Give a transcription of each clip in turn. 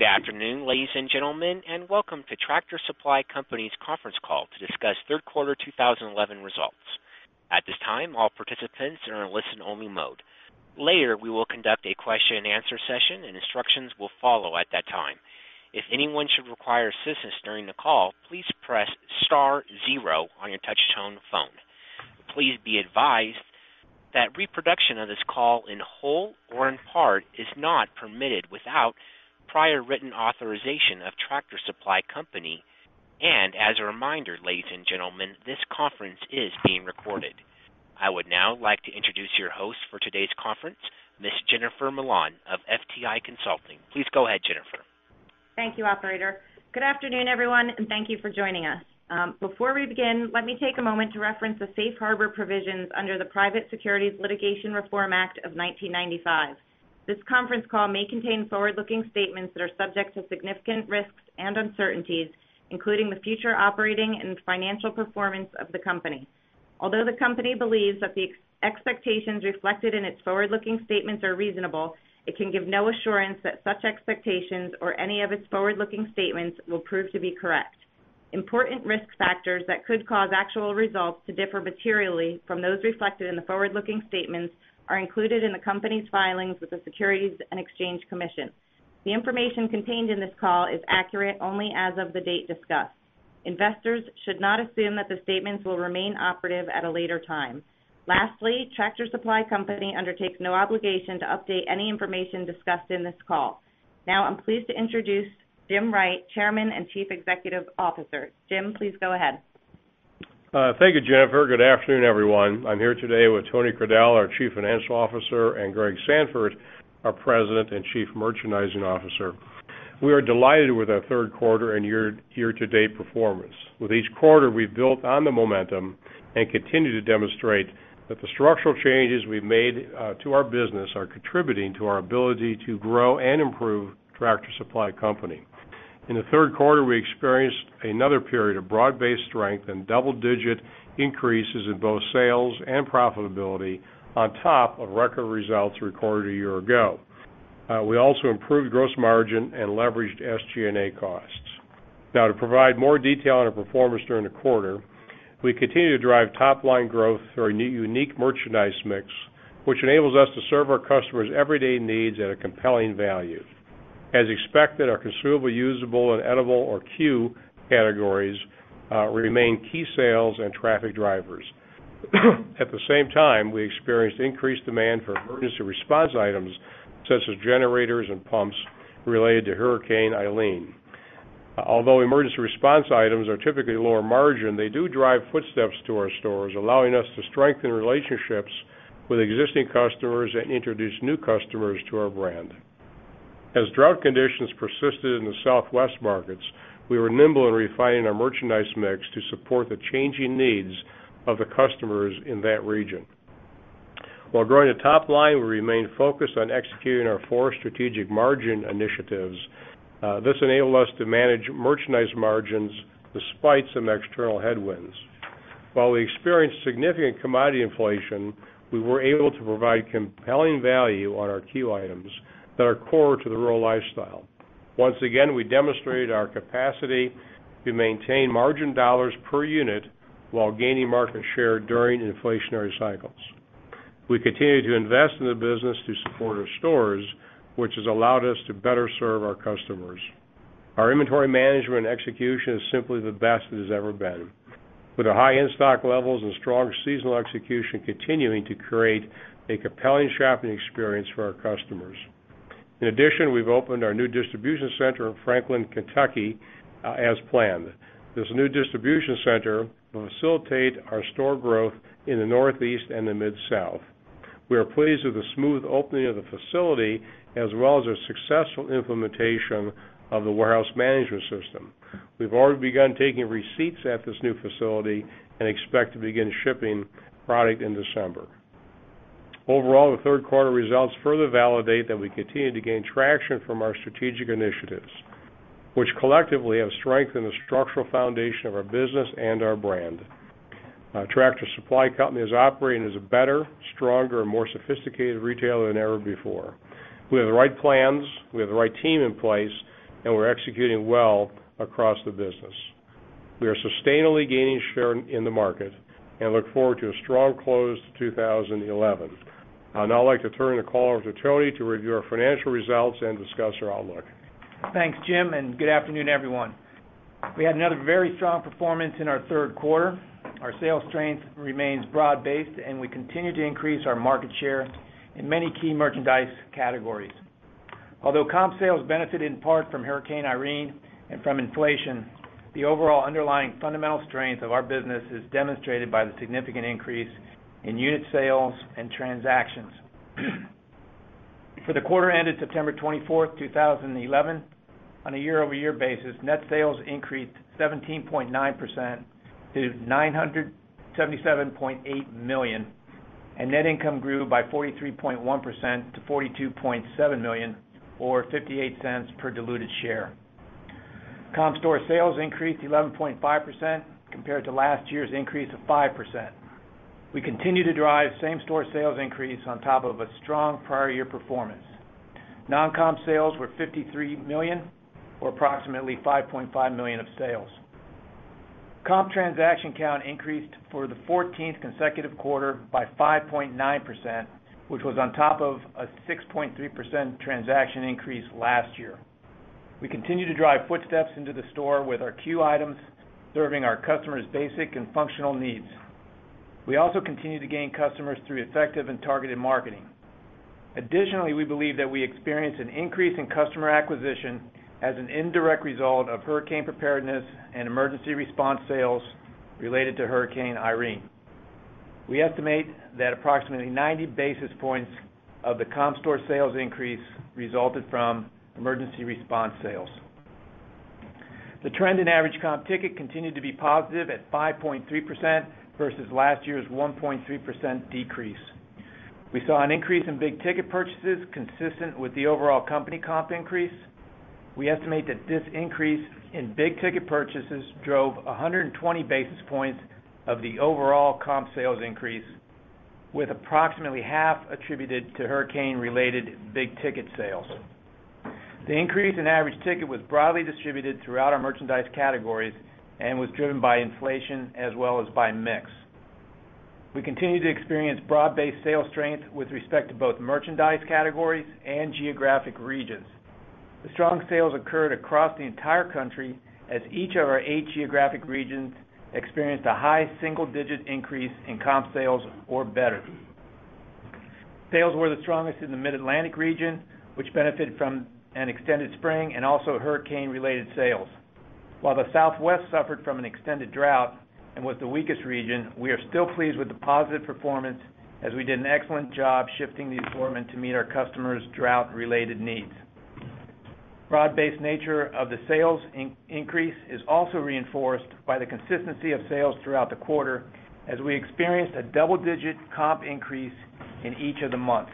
Good afternoon, ladies and gentlemen, and welcome to Tractor Supply Company's Conference Call to discuss third quarter 2011 results. At this time, all participants are in a listen-only mode. Later, we will conduct a question-and-answer session, and instructions will follow at that time. If anyone should require assistance during the call, please press Star, zero on your touch-tone phone. Please be advised that reproduction of this call in whole or in part is not permitted without prior written authorization of Tractor Supply Company. As a reminder, ladies and gentlemen, this conference is being recorded. I would now like to introduce your host for today's conference, Ms. Jennifer Milan of FTI Consulting. Please go ahead, Jennifer. Thank you, operator. Good afternoon, everyone, and thank you for joining us. Before we begin, let me take a moment to reference the safe harbor provisions under the Private Securities Litigation Reform Act of 1995. This conference call may contain forward-looking statements that are subject to significant risks and uncertainties, including the future operating and financial performance of the company. Although the company believes that the expectations reflected in its forward-looking statements are reasonable, it can give no assurance that such expectations or any of its forward-looking statements will prove to be correct. Important risk factors that could cause actual results to differ materially from those reflected in the forward-looking statements are included in the company's filings with the Securities and Exchange Commission. The information contained in this call is accurate only as of the date discussed. Investors should not assume that the statements will remain operative at a later time. Lastly, Tractor Supply Company undertakes no obligation to update any information discussed in this call. Now, I'm pleased to introduce Jim Wright, Chairman and Chief Executive Officer. Jim, please go ahead. Thank you, Jennifer. Good afternoon, everyone. I'm here today with Tony Crudele, our Chief Financial Officer, and Greg Sandfort, our President and Chief Merchandising Officer. We are delighted with our third quarter and year-to-date performance. With each quarter, we've built on the momentum and continue to demonstrate that the structural changes we've made to our business are contributing to our ability to grow and improve Tractor Supply Company. In the third quarter, we experienced another period of broad-based strength and double-digit increases in both sales and profitability, on top of record results recorded a year ago. We also improved gross margin and leveraged SG&A costs. Now, to provide more detail on our performance during the quarter, we continue to drive top-line growth through our unique merchandise mix, which enables us to serve our customers' everyday needs at a compelling value. As expected, our consumable, usable, and edible, or Q categories remain key sales and traffic drivers. At the same time, we experienced increased demand for emergency response items, such as generators and pumps related to Hurricane Irene. Although emergency response items are typically lower margin, they do drive footsteps to our stores, allowing us to strengthen relationships with existing customers and introduce new customers to our brand. As drought conditions persisted in the Southwest markets, we were nimble in refining our merchandise mix to support the changing needs of the customers in that region. While growing the top line, we remained focused on executing our four strategic margin initiatives. This enabled us to manage merchandise margins despite some external headwinds. While we experienced significant commodity inflation, we were able to provide compelling value on our Q items that are core to the rural lifestyle. Once again, we demonstrated our capacity to maintain margin dollars per unit while gaining market share during inflationary cycles. We continue to invest in the business to support our stores, which has allowed us to better serve our customers. Our inventory management and execution is simply the best it has ever been, with the high in-stock levels and strong seasonal execution continuing to create a compelling shopping experience for our customers. In addition, we've opened our new distribution center in Franklin, Kentucky, as planned. This new distribution center will facilitate our store growth in the Northeast and the Mid-South. We are pleased with the smooth opening of the facility, as well as our successful implementation of the warehouse management system. We've already begun taking receipts at this new facility and expect to begin shipping product in December. Overall, the third quarter results further validate that we continue to gain traction from our strategic initiatives, which collectively have strengthened the structural foundation of our business and our brand. Tractor Supply Company is operating as a better, stronger, and more sophisticated retailer than ever before. We have the right plans, we have the right team in place, and we're executing well across the business. We are sustainably gaining share in the market and look forward to a strong close to 2011. I'd now like to turn the call over to Tony to review our financial results and discuss our outlook. Thanks, Jim, and good afternoon, everyone. We had another very strong performance in our third quarter. Our sales strength remains broad-based, and we continue to increase our market share in many key merchandise categories. Although comp store sales benefited in part from Hurricane Eileen and from inflation, the overall underlying fundamental strength of our business is demonstrated by the significant increase in unit sales and transactions. For the quarter ended September 24, 2011, on a year-over-year basis, net sales increased 17.9% to $977.8 million, and net income grew by 43.1% to $42.7 million or $0.58 per diluted share. Comp store sales increased 11.5% compared to last year's increase of 5%. We continue to drive same-store sales increase on top of a strong prior-year performance. Non-comp sales were $53 million or approximately $5.5 million of sales. Comp transaction count increased for the 14th consecutive quarter by 5.9%, which was on top of a 6.3% transaction increase last year. We continue to drive footsteps into the store with our Q items, serving our customers' basic and functional needs. We also continue to gain customers through effective and targeted marketing. Additionally, we believe that we experienced an increase in customer acquisition as an indirect result of hurricane preparedness and emergency response sales related to Hurricane Irene. We estimate that approximately 90 basis points of the comp store sales increase resulted from emergency response sales. The trend in average comp ticket continued to be positive at 5.3% versus last year's 1.3% decrease. We saw an increase in big ticket purchases, consistent with the overall company comp increase. We estimate that this increase in big ticket purchases drove 120 basis points of the overall comp store sales increase, with approximately half attributed to hurricane-related big ticket sales. The increase in average ticket was broadly distributed throughout our merchandise categories and was driven by inflation as well as by mix. We continue to experience broad-based sales strength with respect to both merchandise categories and geographic regions. The strong sales occurred across the entire country, as each of our eight geographic regions experienced a high single-digit increase in comp store sales or better. Sales were the strongest in the Mid-Atlantic region, which benefited from an extended spring and also hurricane-related sales. While the Southwest suffered from an extended drought and was the weakest region, we are still pleased with the positive performance, as we did an excellent job shifting the enforcement to meet our customers' drought-related needs. The broad-based nature of the sales increase is also reinforced by the consistency of sales throughout the quarter, as we experienced a double-digit comp increase in each of the months.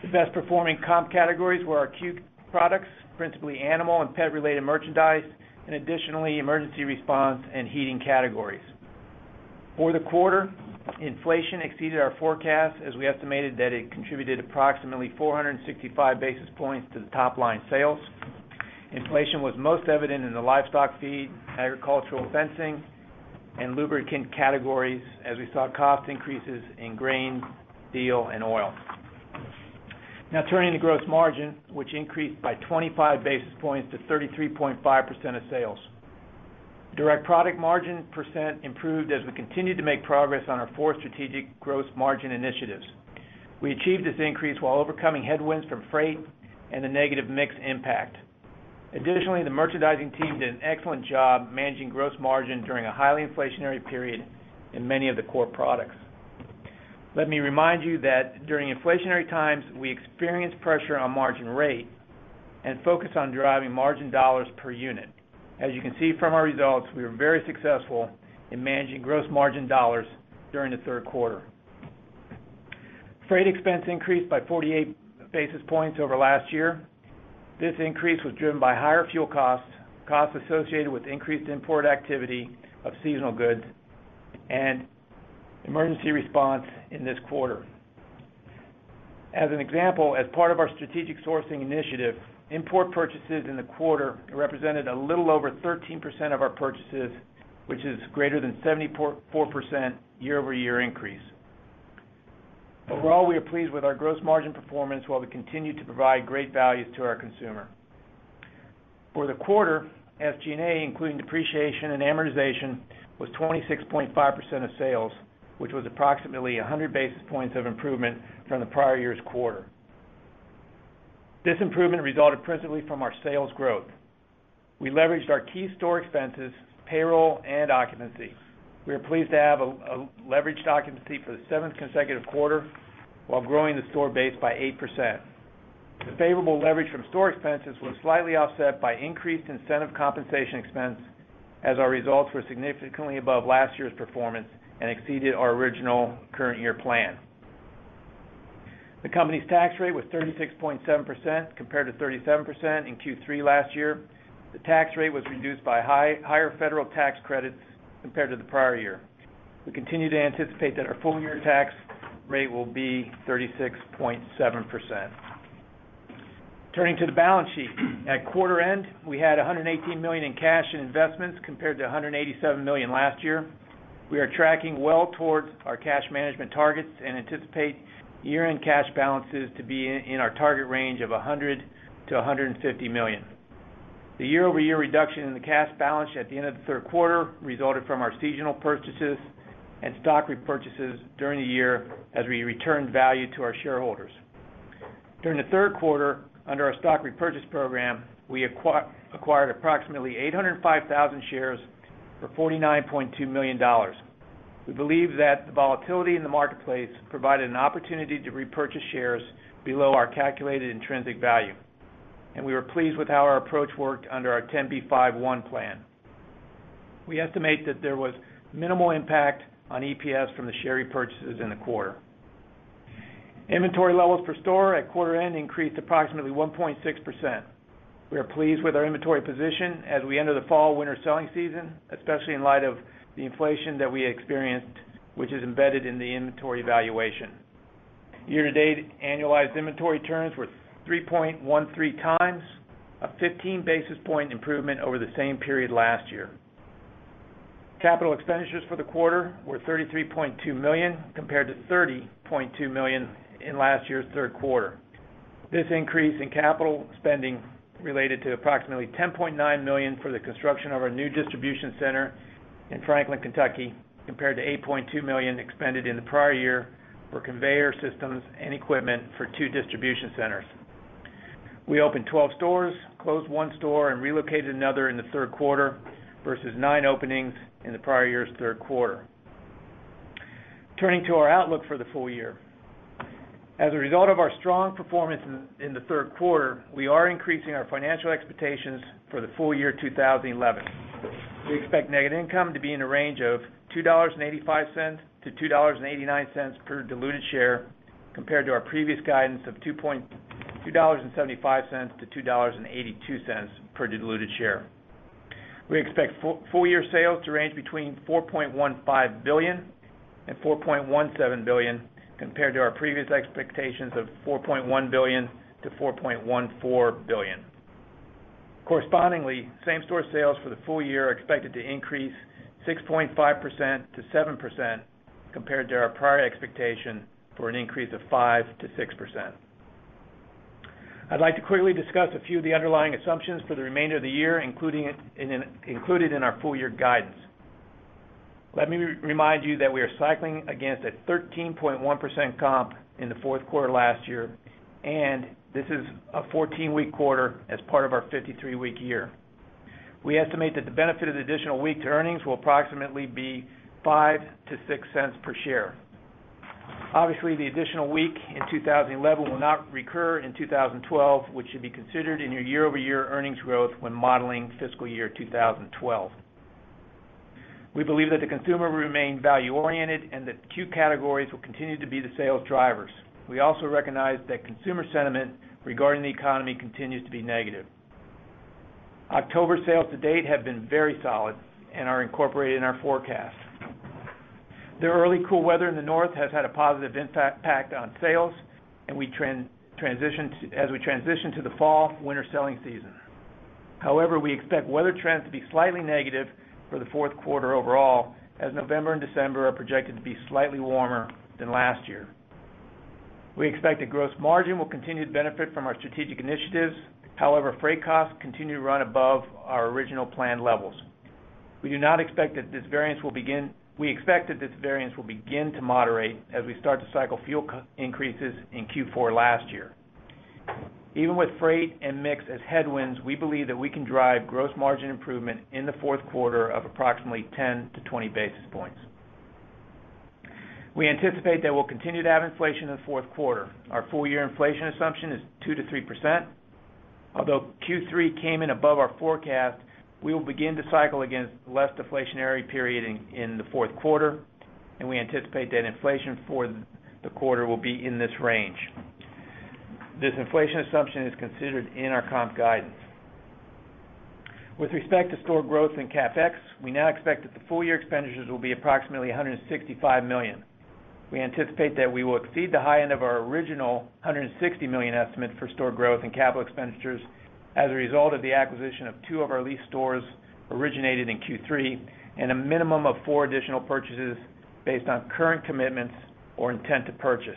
The best-performing comp categories were our Q products, principally animal and pet-related merchandise, and additionally emergency response and heating categories. For the quarter, inflation exceeded our forecast, as we estimated that it contributed approximately 465 basis points to the top-line sales. Inflation was most evident in the livestock feed, agricultural fencing, and lubricant categories, as we saw cost increases in grain, steel, and oil. Now, turning to gross margin, which increased by 25 basis points to 33.5% of sales. Direct product margin percent improved as we continued to make progress on our four strategic gross margin initiatives. We achieved this increase while overcoming headwinds from freight and the negative mix impact. Additionally, the merchandising team did an excellent job managing gross margin during a highly inflationary period in many of the core products. Let me remind you that during inflationary times, we experienced pressure on margin rates and focused on driving margin dollars per unit. As you can see from our results, we were very successful in managing gross margin dollars during the third quarter. Freight expense increased by 48 basis points over last year. This increase was driven by higher fuel costs, costs associated with increased import activity of seasonal goods, and emergency response in this quarter. As an example, as part of our strategic sourcing initiative, import purchases in the quarter represented a little over 13% of our purchases, which is greater than 74% year-over-year increase. Overall, we are pleased with our gross margin performance while we continue to provide great values to our consumer. For the quarter, SG&A, including depreciation and amortization, was 26.5% of sales, which was approximately 100 basis points of improvement from the prior year's quarter. This improvement resulted principally from our sales growth. We leveraged our key store expenses, payroll, and occupancy. We are pleased to have a leveraged occupancy for the seventh consecutive quarter while growing the store base by 8%. The favorable leverage from store expenses was slightly offset by increased incentive compensation expense, as our results were significantly above last year's performance and exceeded our original current-year plan. The company's tax rate was 36.7% compared to 37% in Q3 last year. The tax rate was reduced by higher federal tax credits compared to the prior year. We continue to anticipate that our full-year tax rate will be 36.7%. Turning to the balance sheet, at quarter end, we had $118 million in cash and investments compared to $187 million last year. We are tracking well towards our cash management targets and anticipate year-end cash balances to be in our target range of $100 million-$150 million. The year-over-year reduction in the cash balance at the end of the third quarter resulted from our seasonal purchases and stock repurchases during the year as we returned value to our shareholders. During the third quarter, under our stock repurchase program, we acquired approximately 805,000 shares for $49.2 million. We believe that the volatility in the marketplace provided an opportunity to repurchase shares below our calculated intrinsic value, and we were pleased with how our approach worked under our 10(b)(5)(1) plan. We estimate that there was minimal impact on EPS from the share repurchases in the quarter. Inventory levels per store at quarter end increased approximately 1.6%. We are pleased with our inventory position as we enter the fall winter selling season, especially in light of the inflation that we experienced, which is embedded in the inventory valuation. Year-to-date annualized inventory turns were 3.13x, a 15 basis point improvement over the same period last year. Capital expenditures for the quarter were $33.2 million compared to $30.2 million in last year's third quarter. This increase in capital spending related to approximately $10.9 million for the construction of our new distribution center in Franklin, Kentucky, compared to $8.2 million expended in the prior year for conveyor systems and equipment for two distribution centers. We opened 12 stores, closed one store, and relocated another in the third quarter, versus nine openings in the prior year's third quarter. Turning to our outlook for the full year, as a result of our strong performance in the third quarter, we are increasing our financial expectations for the full year 2011. We expect net income to be in the range of $2.85-$2.89 per diluted share, compared to our previous guidance of $2.75-$2.82 per diluted share. We expect full-year sales to range between $4.15 billion and $4.17 billion, compared to our previous expectations of $4.1 billion-$4.14 billion. Correspondingly, same-store sales for the full year are expected to increase 6.5%-7%, compared to our prior expectation for an increase of 5%-6%. I'd like to quickly discuss a few of the underlying assumptions for the remainder of the year, included in our full-year guidance. Let me remind you that we are cycling against a 13.1% comp in the fourth quarter last year, and this is a 14-week quarter as part of our 53-week year. We estimate that the benefit of the additional week to earnings will approximately be $0.05-$0.06 per share. Obviously, the additional week in 2011 will not recur in 2012, which should be considered in your year-over-year earnings growth when modeling fiscal year 2012. We believe that the consumer will remain value-oriented and that the usable, consumable, and edible categories will continue to be the sales drivers. We also recognize that consumer sentiment regarding the economy continues to be negative. October sales to date have been very solid and are incorporated in our forecast. The early cool weather in the North has had a positive impact on sales, and we transitioned as we transition to the fall winter selling season. However, we expect weather trends to be slightly negative for the fourth quarter overall, as November and December are projected to be slightly warmer than last year. We expect that gross margin will continue to benefit from our strategic initiatives. However, freight costs continue to run above our original planned levels. We do not expect that this variance will begin to moderate as we start to cycle fuel increases in Q4 last year. Even with freight and mix as headwinds, we believe that we can drive gross margin improvement in the fourth quarter of approximately 10 basis points-20 basis points. We anticipate that we'll continue to have inflation in the fourth quarter. Our full-year inflation assumption is 2%-3%. Although Q3 came in above our forecast, we will begin to cycle against a less deflationary period in the fourth quarter, and we anticipate that inflation for the quarter will be in this range. This inflation assumption is considered in our comp guidance. With respect to store growth and CapEx, we now expect that the full-year expenditures will be approximately $165 million. We anticipate that we will exceed the high end of our original $160 million estimate for store growth and capital expenditures as a result of the acquisition of two of our lease stores originated in Q3 and a minimum of four additional purchases based on current commitments or intent to purchase.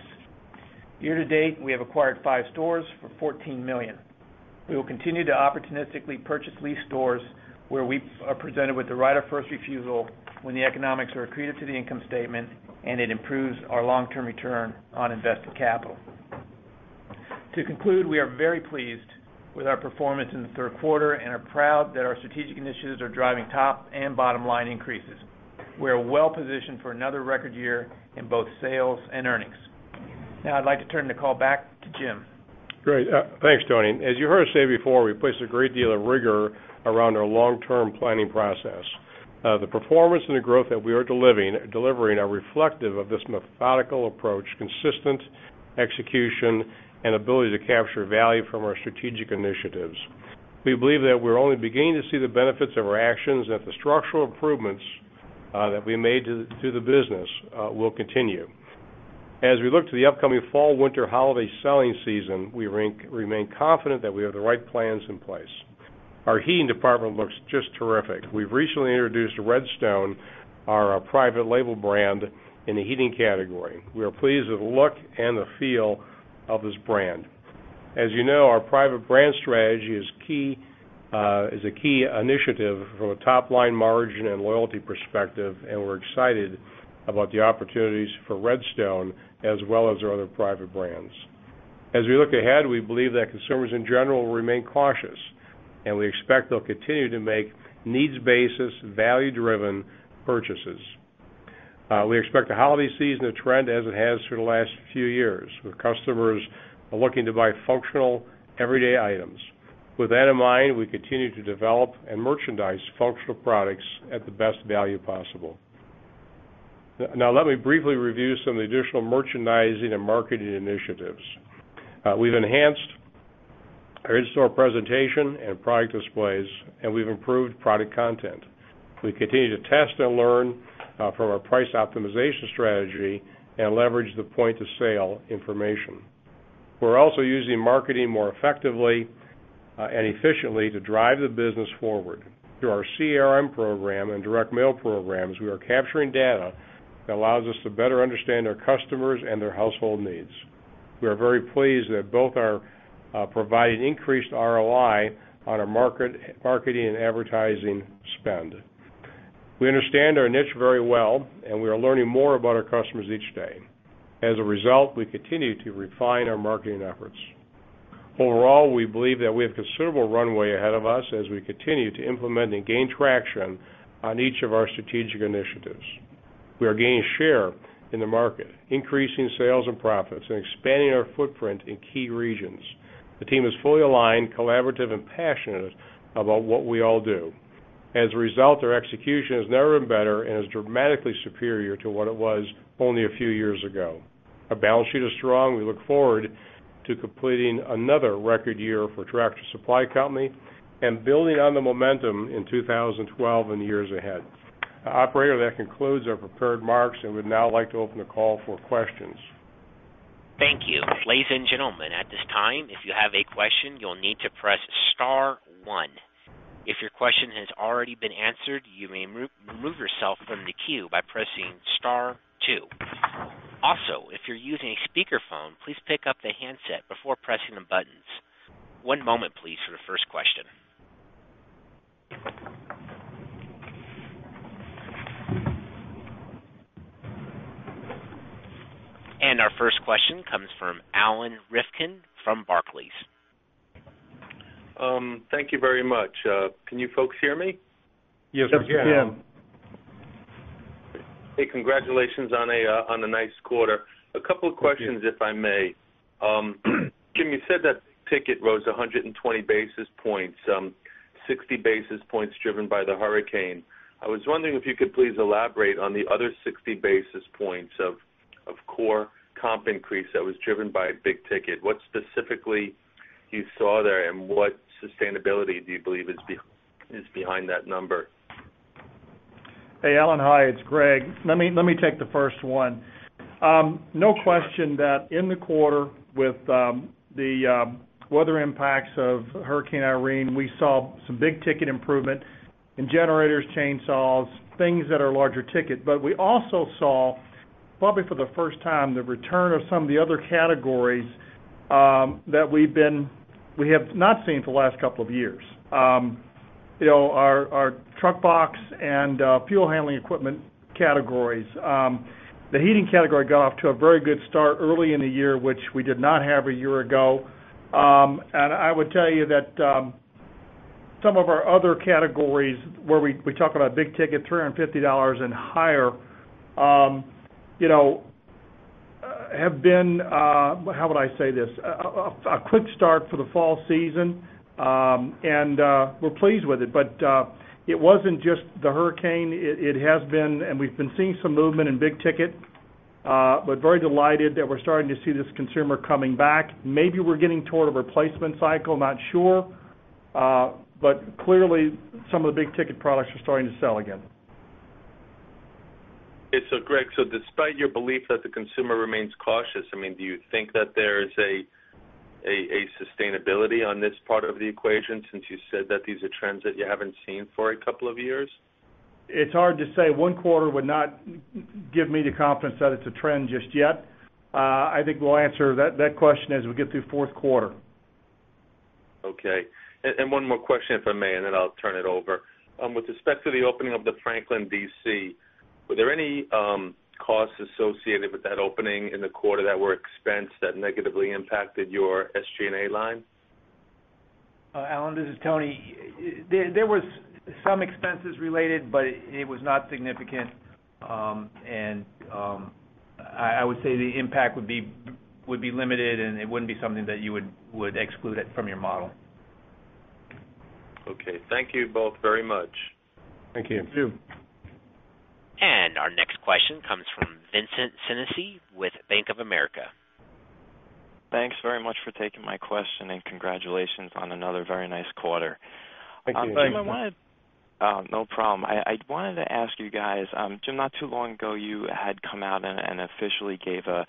Year to date, we have acquired five stores for $14 million. We will continue to opportunistically purchase lease stores where we are presented with the right of first refusal when the economics are accretive to the income statement, and it improves our long-term return on invested capital. To conclude, we are very pleased with our performance in the third quarter and are proud that our strategic initiatives are driving top and bottom line increases. We are well positioned for another record year in both sales and earnings. Now, I'd like to turn the call back to Jim. Great. Thanks, Tony. As you heard us say before, we placed a great deal of rigor around our long-term planning process. The performance and the growth that we are delivering are reflective of this methodical approach, consistent execution, and ability to capture value from our strategic initiatives. We believe that we're only beginning to see the benefits of our actions and that the structural improvements that we made through the business will continue. As we look to the upcoming fall winter holiday selling season, we remain confident that we have the right plans in place. Our heating department looks just terrific. We've recently introduced Redstone, our private label brand in the heating category. We are pleased with the look and the feel of this brand. As you know, our private brand strategy is a key initiative from a top-line margin and loyalty perspective, and we're excited about the opportunities for Redstone as well as our other private brands. As we look ahead, we believe that consumers in general will remain cautious, and we expect they'll continue to make needs-basis, value-driven purchases. We expect the holiday season to trend as it has for the last few years, with customers looking to buy functional everyday items. With that in mind, we continue to develop and merchandise functional products at the best value possible. Now, let me briefly review some of the additional merchandising and marketing initiatives. We've enhanced our in-store presentation and product displays, and we've improved product content. We continue to test and learn from our price optimization strategy and leverage the point-of-sale information. We're also using marketing more effectively and efficiently to drive the business forward. Through our CRM program and direct mail programs, we are capturing data that allows us to better understand our customers and their household needs. We are very pleased that both are providing increased ROI on our marketing and advertising spend. We understand our niche very well, and we are learning more about our customers each day. As a result, we continue to refine our marketing efforts. Overall, we believe that we have considerable runway ahead of us as we continue to implement and gain traction on each of our strategic initiatives. We are gaining share in the market, increasing sales and profits, and expanding our footprint in key regions. The team is fully aligned, collaborative, and passionate about what we all do. As a result, our execution has never been better and is dramatically superior to what it was only a few years ago. Our balance sheet is strong. We look forward to completing another record year for Tractor Supply Company and building on the momentum in 2012 and the years ahead. Operator, that concludes our prepared marks and would now like to open the call for questions. Thank you. Ladies and gentlemen, at this time, if you have a question, you'll need to press Star, one. If your question has already been answered, you may remove yourself from the queue by pressing Star, two. If you're using a speakerphone, please pick up the handset before pressing the buttons. One moment, please, for the first question. Our first question comes from Alan Rifkin from Barclays. Thank you very much. Can you folks hear me? Yes, I can. Hey, congratulations on a nice quarter. Thank you. A couple of questions, if I may. Jim, you said that ticket rose 120 basis points, 60 basis points driven by the hurricane. I was wondering if you could please elaborate on the other 60 basis points of core comp increase that was driven by a big ticket. What specifically you saw there, and what sustainability do you believe is behind that number? Hey, Alan. Hi, it's Greg. Let me take the first one. No question that in the quarter with the weather impacts of Hurricane Irene, we saw some big ticket improvement in generators, chainsaws, things that are larger ticket. We also saw, probably for the first time, the return of some of the other categories that we have not seen for the last couple of years. You know, our truck box and fuel handling equipment categories. The heating category got off to a very good start early in the year, which we did not have a year ago. I would tell you that some of our other categories where we talk about big ticket, $350 and higher, have been, how would I say this, a quick start for the fall season, and we're pleased with it. It was not just the hurricane. It has been, and we've been seeing some movement in big ticket, very delighted that we're starting to see this consumer coming back. Maybe we're getting toward a replacement cycle, not sure. Clearly, some of the big ticket products are starting to sell again. Greg, despite your belief that the consumer remains cautious, do you think that there's a sustainability on this part of the equation since you said that these are trends that you haven't seen for a couple of years? It's hard to say. One quarter would not give me the confidence that it's a trend just yet. I think we'll answer that question as we get through fourth quarter. Okay. One more question, if I may, and then I'll turn it over. With respect to the opening of the Franklin, Kentucky, DC, were there any costs associated with that opening in the quarter that were expense that negatively impacted your SG&A line? Alan, this is Tony. There were some expenses related, but it was not significant. I would say the impact would be limited, and it wouldn't be something that you would exclude from your model. Okay, thank you both very much. Thank you. Thank you. Our next question comes from Vincent Senisi with Bank of America. Thanks very much for taking my question, and congratulations on another very nice quarter. Thank you. Thank you so much. No problem. I wanted to ask you guys, Jim, not too long ago, you had come out and officially gave a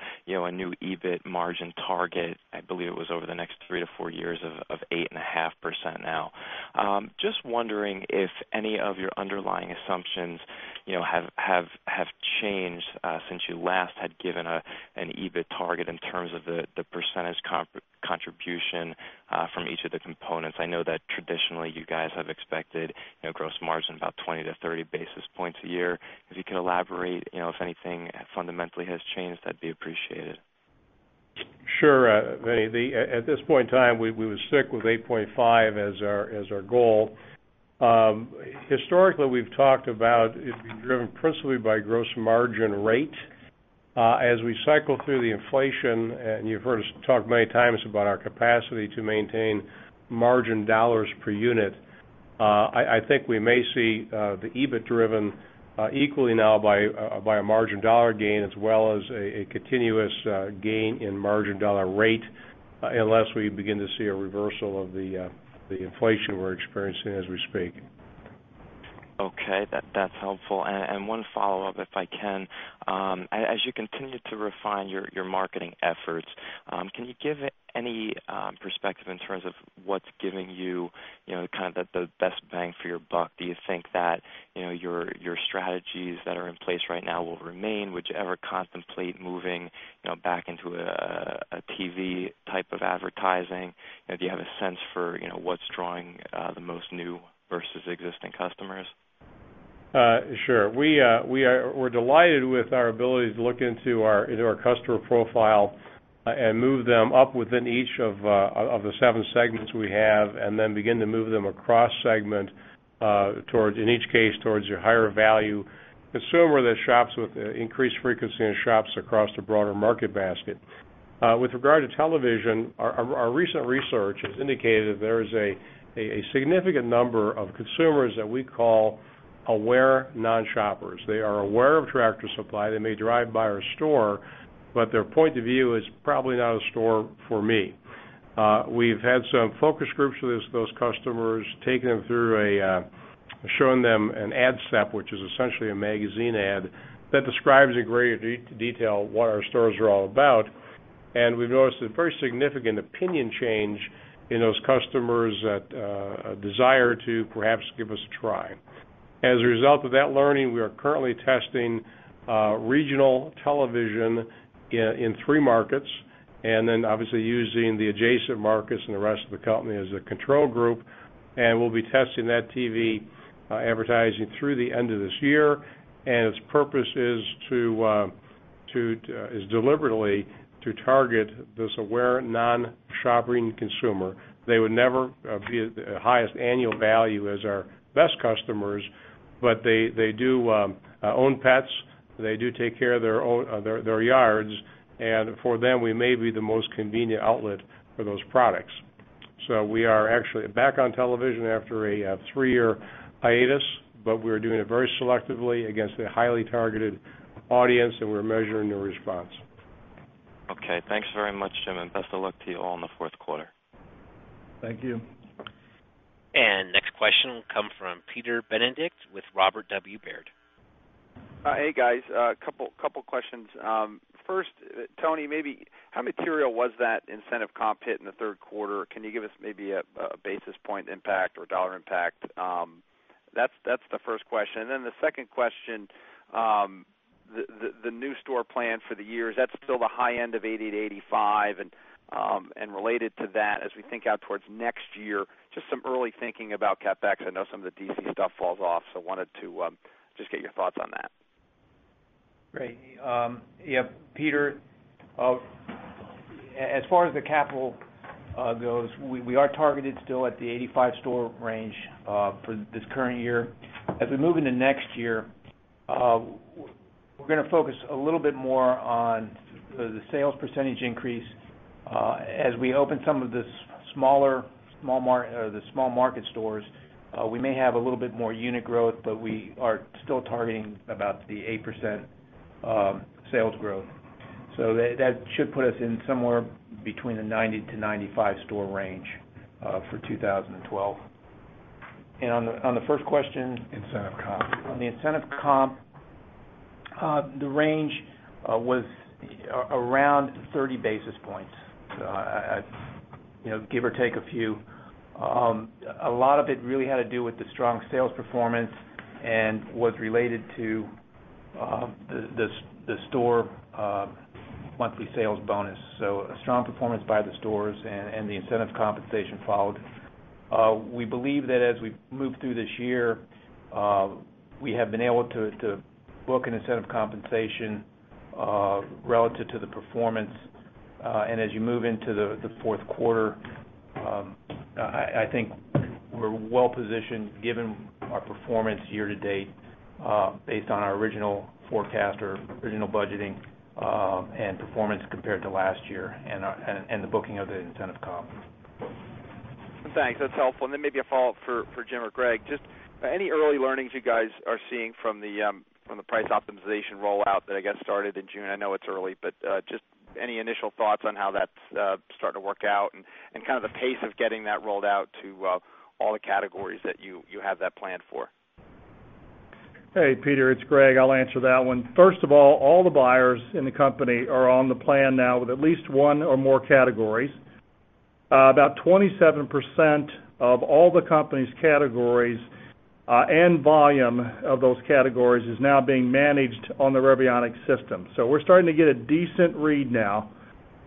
new EBIT margin target. I believe it was over the next three to four years of 8.5% now. Just wondering if any of your underlying assumptions have changed since you last had given an EBIT target in terms of the percentage contribution from each of the components. I know that traditionally, you guys have expected a gross margin about 20 basis points-30 basis points a year. If you could elaborate, you know, if anything fundamentally has changed, that'd be appreciated. Sure. At this point in time, we will stick with 8.5% as our goal. Historically, we've talked about it being driven principally by gross margin rate. As we cycle through the inflation, and you've heard us talk many times about our capacity to maintain margin dollars per unit, I think we may see the EBIT driven equally now by a margin dollar gain as well as a continuous gain in margin dollar rate unless we begin to see a reversal of the inflation we're experiencing as we speak. Okay. That's helpful. One follow-up, if I can, as you continue to refine your marketing efforts, can you give any perspective in terms of what's giving you kind of the best bang for your buck? Do you think that your strategies that are in place right now will remain? Would you ever contemplate moving back into a TV type of advertising? Do you have a sense for what's drawing the most new versus existing customers? Sure. We're delighted with our ability to look into our customer profile and move them up within each of the seven segments we have and then begin to move them across segment towards, in each case, towards your higher value consumer that shops with increased frequency and shops across the broader market basket. With regard to television, our recent research has indicated that there is a significant number of consumers that we call aware non-shoppers. They are aware of Tractor Supply. They may drive by our store, but their point of view is probably not a store for me. We've had some focus groups with those customers, taking them through a, showing them an ad step, which is essentially a magazine ad that describes in greater detail what our stores are all about. We've noticed a very significant opinion change in those customers that desire to perhaps give us a try. As a result of that learning, we are currently testing regional television in three markets and obviously using the adjacent markets and the rest of the company as a control group. We'll be testing that TV advertising through the end of this year. Its purpose is deliberately to target this aware non-shopping consumer. They would never be the highest annual value as our best customers, but they do own pets. They do take care of their yards. For them, we may be the most convenient outlet for those products. We are actually back on television after a three-year hiatus, but we are doing it very selectively against a highly targeted audience, and we're measuring the response. Okay. Thanks very much, Jim, and best of luck to you all in the fourth quarter. Thank you. The next question will come from Peter Benedict with Robert W. Baird. Hey, guys. A couple of questions. First, Tony, maybe how material was that incentive comp hit in the third quarter? Can you give us maybe a basis point impact or dollar impact? That's the first question. The second question, the new store plan for the years, that's still the high end of 80-85. Related to that, as we think out towards next year, just some early thinking about CapEx. I know some of the DC stuff falls off, so I wanted to just get your thoughts on that. Great. Yeah, Peter, as far as the capital goes, we are targeted still at the 85-store range for this current year. As we move into next year, we're going to focus a little bit more on the sales percent increase. As we open some of the smaller or the small market stores, we may have a little bit more unit growth, but we are still targeting about the 8% sales growth. That should put us in somewhere between the 90-95-store range for 2012. On the first question. Incentive comp. On the incentive comp, the range was around 30 basis points. A lot of it really had to do with the strong sales performance and was related to the store monthly sales bonus. A strong performance by the stores and the incentive compensation followed. We believe that as we move through this year, we have been able to book an incentive compensation relative to the performance. As you move into the fourth quarter, I think we're well positioned given our performance year to date based on our original forecast or original budgeting and performance compared to last year and the booking of the incentive comp. Thanks. That's helpful. Maybe a follow-up for Jim or Greg. Just any early learnings you guys are seeing from the price optimization rollout that I guess started in June. I know it's early, but just any initial thoughts on how that's starting to work out and the pace of getting that rolled out to all the categories that you have that planned for? Hey, Peter, it's Greg. I'll answer that one. First of all, all the buyers in the company are on the plan now with at least one or more categories. About 27% of all the company's categories and volume of those categories is now being managed on the Revionics system. We're starting to get a decent read now.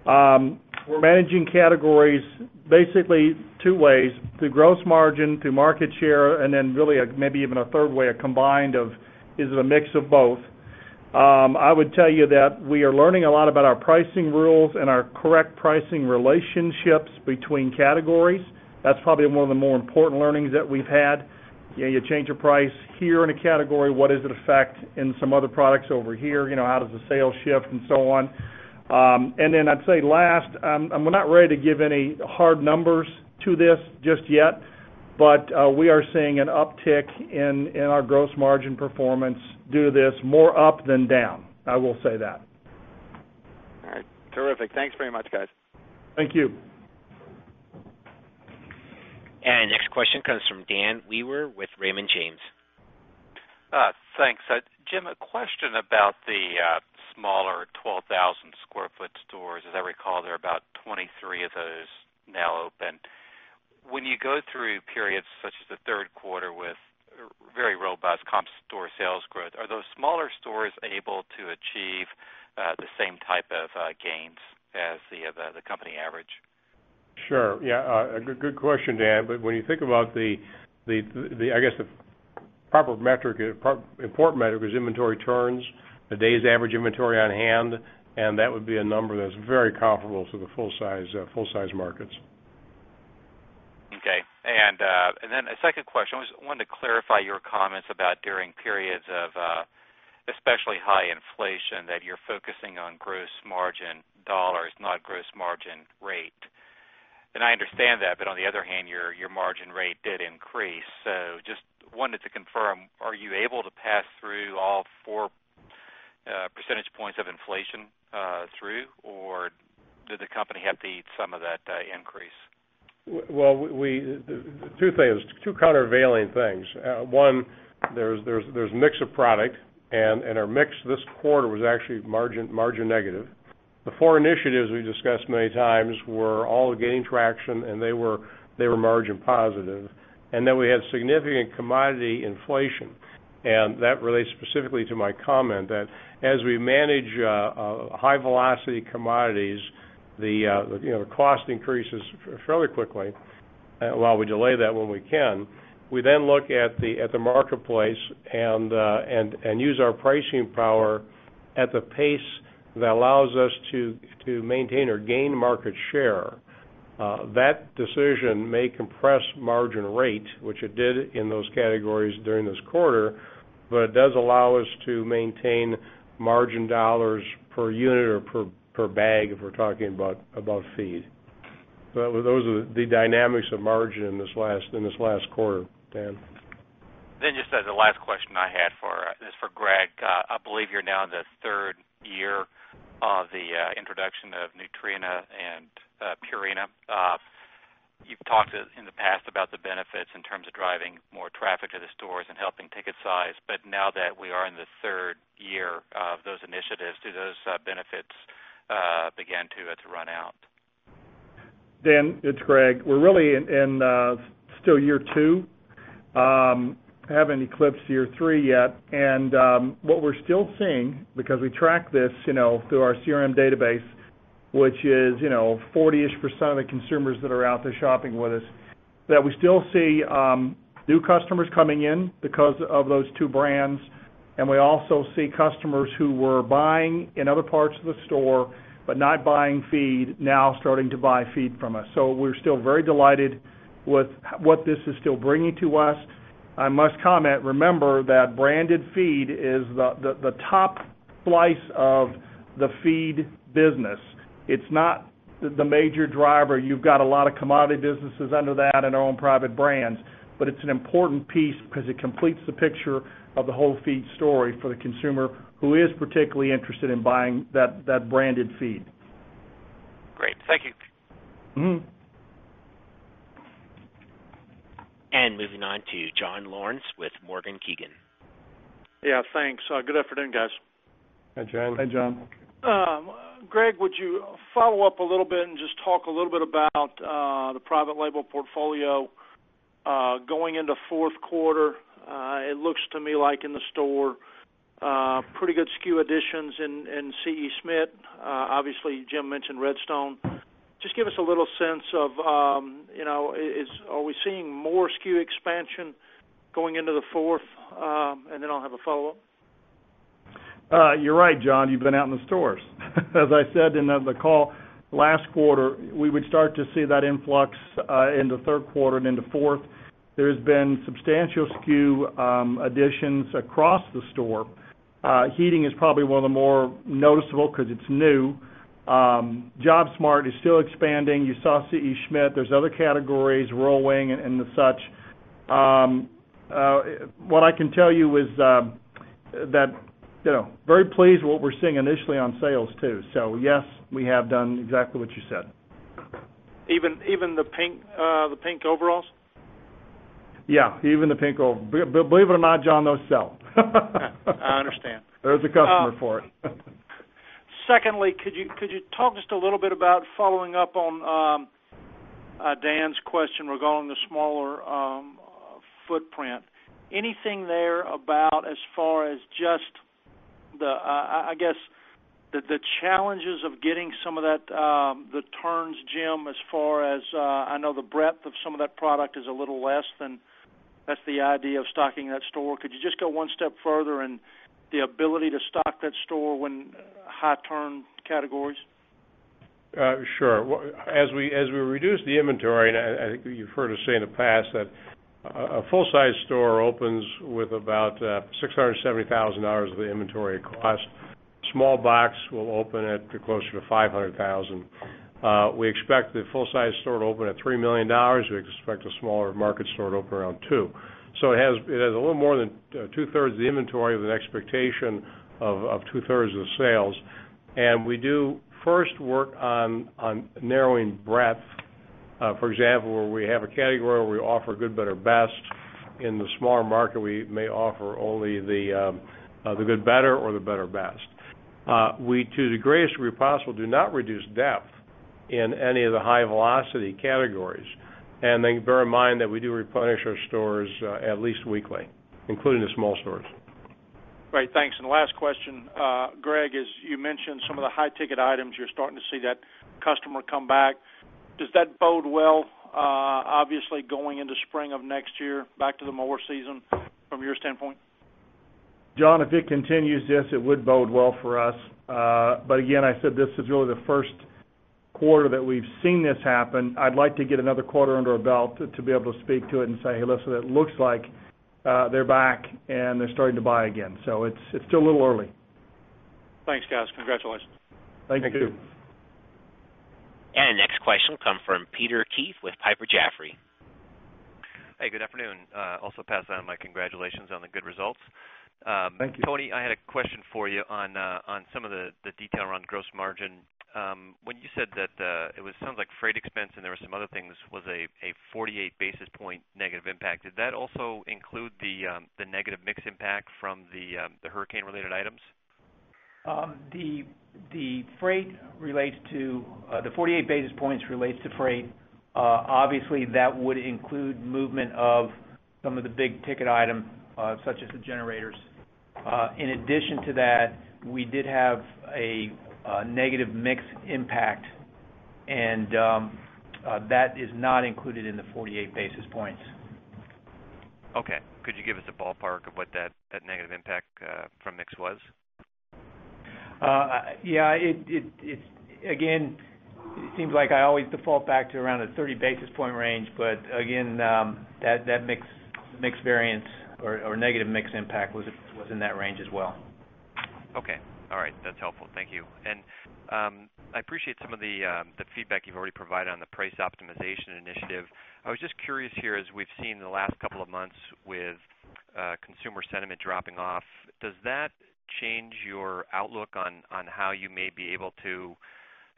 We're managing categories basically two ways: through gross margin, through market share, and then really maybe even a third way, a combined of is it a mix of both. I would tell you that we are learning a lot about our pricing rules and our correct pricing relationships between categories. That's probably one of the more important learnings that we've had. You change your price here in a category, what does it affect in some other products over here? How does the sales shift and so on? I'd say last, and we're not ready to give any hard numbers to this just yet, but we are seeing an uptick in our gross margin performance due to this, more up than down. I will say that. Terrific. Thanks very much, guys. Thank you. The next question comes from Dan Wewer with Raymond James. Thanks. Jim, a question about the smaller 12,000 sq ft stores. As I recall, there are about 23 of those now open. When you go through periods such as the third quarter with very robust comp store sales growth, are those smaller stores able to achieve the same type of gains as the company average? Sure. Good question, Dan. When you think about the, I guess, the proper metric, the important metric is inventory turns, a day's average inventory on hand, and that would be a number that's very comparable to the full-size markets. Okay. A second question. I wanted to clarify your comments about during periods of especially high inflation that you're focusing on gross margin dollars, not gross margin rate. I understand that, but on the other hand, your margin rate did increase. I just wanted to confirm, are you able to pass through all 4% of inflation through, or did the company have to eat some of that increase? There are two countervailing things. One, there's a mix of product, and our mix this quarter was actually margin negative. The four initiatives we discussed many times were all gaining traction, and they were margin positive. We had significant commodity inflation. That relates specifically to my comment that as we manage high-velocity commodities, the cost increases fairly quickly. While we delay that when we can, we then look at the marketplace and use our pricing power at the pace that allows us to maintain or gain market share. That decision may compress margin rate, which it did in those categories during this quarter, but it does allow us to maintain margin dollars per unit or per bag if we're talking about feed. Those are the dynamics of margin in this last quarter, Dan. As the last question I had for this is for Greg. I believe you're now in the third year of the introduction of Nutrena and Purina. You've talked in the past about the benefits in terms of driving more traffic to the stores and helping ticket size. Now that we are in the third year of those initiatives, do those benefits begin to run out? Dan, it's Greg. We're really in still year two, haven't eclipsed year three yet. What we're still seeing, because we track this through our CRM database, which is 40%-ish of the consumers that are out there shopping with us, is that we still see new customers coming in because of those two brands. We also see customers who were buying in other parts of the store but not buying feed, now starting to buy feed from us. We're still very delighted with what this is still bringing to us. I must comment, remember that branded feed is the top slice of the feed business. It's not the major driver. You've got a lot of commodity businesses under that and their own private brands, but it's an important piece because it completes the picture of the whole feed story for the consumer who is particularly interested in buying that branded feed. Great. Thank you. Moving on to John Lawrence with Morgan Keegan. Yeah, thanks. Good afternoon, guys. Hi, John. Hi, John. Greg, would you follow up a little bit and just talk a little bit about the private label portfolio going into fourth quarter? It looks to me like in the store, pretty good SKU additions in C.E. Schmidt. Obviously, Jim mentioned Redstone. Just give us a little sense of, you know, are we seeing more SKU expansion going into the fourth? I'll have a follow-up. You're right, John. You've been out in the stores. As I said in the call last quarter, we would start to see that influx into third quarter and into fourth. There's been substantial SKU additions across the store. Heating is probably one of the more noticeable because it's new. JobSmart is still expanding. You saw C.E. Schmidt. There's other categories, Rowing and such. What I can tell you is that I'm very pleased with what we're seeing initially on sales too. Yes, we have done exactly what you said. Even the pink overalls? Yeah, even the pink overall. Believe it or not, John, those sell. I understand. There's a customer for it. Secondly, could you talk just a little bit about following up on Dan's question regarding the smaller footprint? Anything there about as far as just the, I guess, the challenges of getting some of that, the turns, Jim, as far as I know the breadth of some of that product is a little less than that's the idea of stocking that store. Could you just go one step further and the ability to stock that store when high turn categories? Sure. As we reduce the inventory, and I think you've heard us say in the past that a full-size store opens with about $670,000 of the inventory it costs. A small box will open at closer to $500,000. We expect the full-size store to open at $3 million. We expect a smaller market store to open around $2 million. It has a little more than 2/3 of the inventory with an expectation of 2/3 of the sales. We do first work on narrowing breadth. For example, where we have a category where we offer good, better, best, in the smaller market, we may offer only the good, better, or the better, best. We, to the greatest degree possible, do not reduce depth in any of the high-velocity categories. Bear in mind that we do replenish our stores at least weekly, including the small stores. Right. Thanks. Last question, Greg, is you mentioned some of the high-ticket items. You're starting to see that customer come back. Does that bode well, obviously, going into spring of next year, back to the mower season, from your standpoint? If it continues this, it would bode well for us. Again, I said this is really the first quarter that we've seen this happen. I'd like to get another quarter under a belt to be able to speak to it and say, "Hey, listen, it looks like they're back and they're starting to buy again." It's still a little early. Thanks, guys. Congratulations. Thank you. Thank you. The next question will come from Peter Keith with Piper Jaffray. Hey, good afternoon. I also pass on my congratulations on the good results. Thank you. Tony, I had a question for you on some of the detail around gross margin. When you said that it sounds like freight expense and there were some other things was a 48 basis point negative impact. Did that also include the negative mix impact from the hurricane-related items? The freight relates to the 48 basis points relates to freight. Obviously, that would include movement of some of the big ticket items, such as the generators. In addition to that, we did have a negative mix impact, and that is not included in the 48 basis points. Okay. Could you give us a ballpark of what that negative impact from mix was? Yeah, again, it seems like I always default back to around a 30 basis point range, but again, that mix variance or negative mix impact was in that range as well. Okay. All right. That's helpful. Thank you. I appreciate some of the feedback you've already provided on the price optimization initiative. I was just curious here, as we've seen in the last couple of months with consumer sentiment dropping off, does that change your outlook on how you may be able to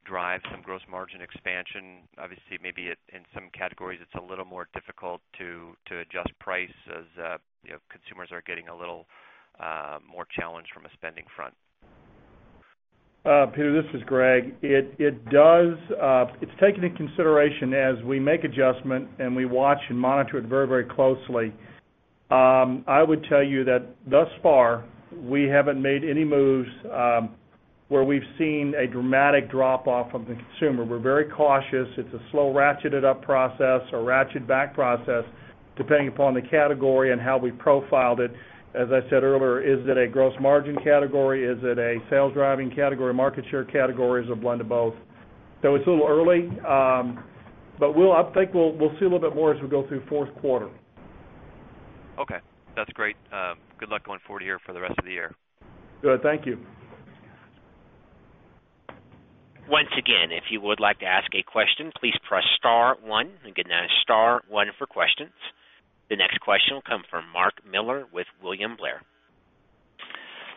drive some gross margin expansion? Obviously, maybe in some categories, it's a little more difficult to adjust price as consumers are getting a little more challenged from a spending front. Peter, this is Greg. It does. It's taken into consideration as we make adjustment and we watch and monitor it very, very closely. I would tell you that thus far, we haven't made any moves where we've seen a dramatic drop-off from the consumer. We're very cautious. It's a slow ratcheted-up process or ratchet-back process, depending upon the category and how we profiled it. As I said earlier, is it a gross margin category? Is it a sales-driving category, market share category, or is it a blend of both? It's a little early, but I think we'll see a little bit more as we go through fourth quarter. Okay. That's great. Good luck going forward here for the rest of the year. Good, thank you. Once again, if you would like to ask a question, please press Star, one for questions. The next question will come from Mark Miller with William Blair.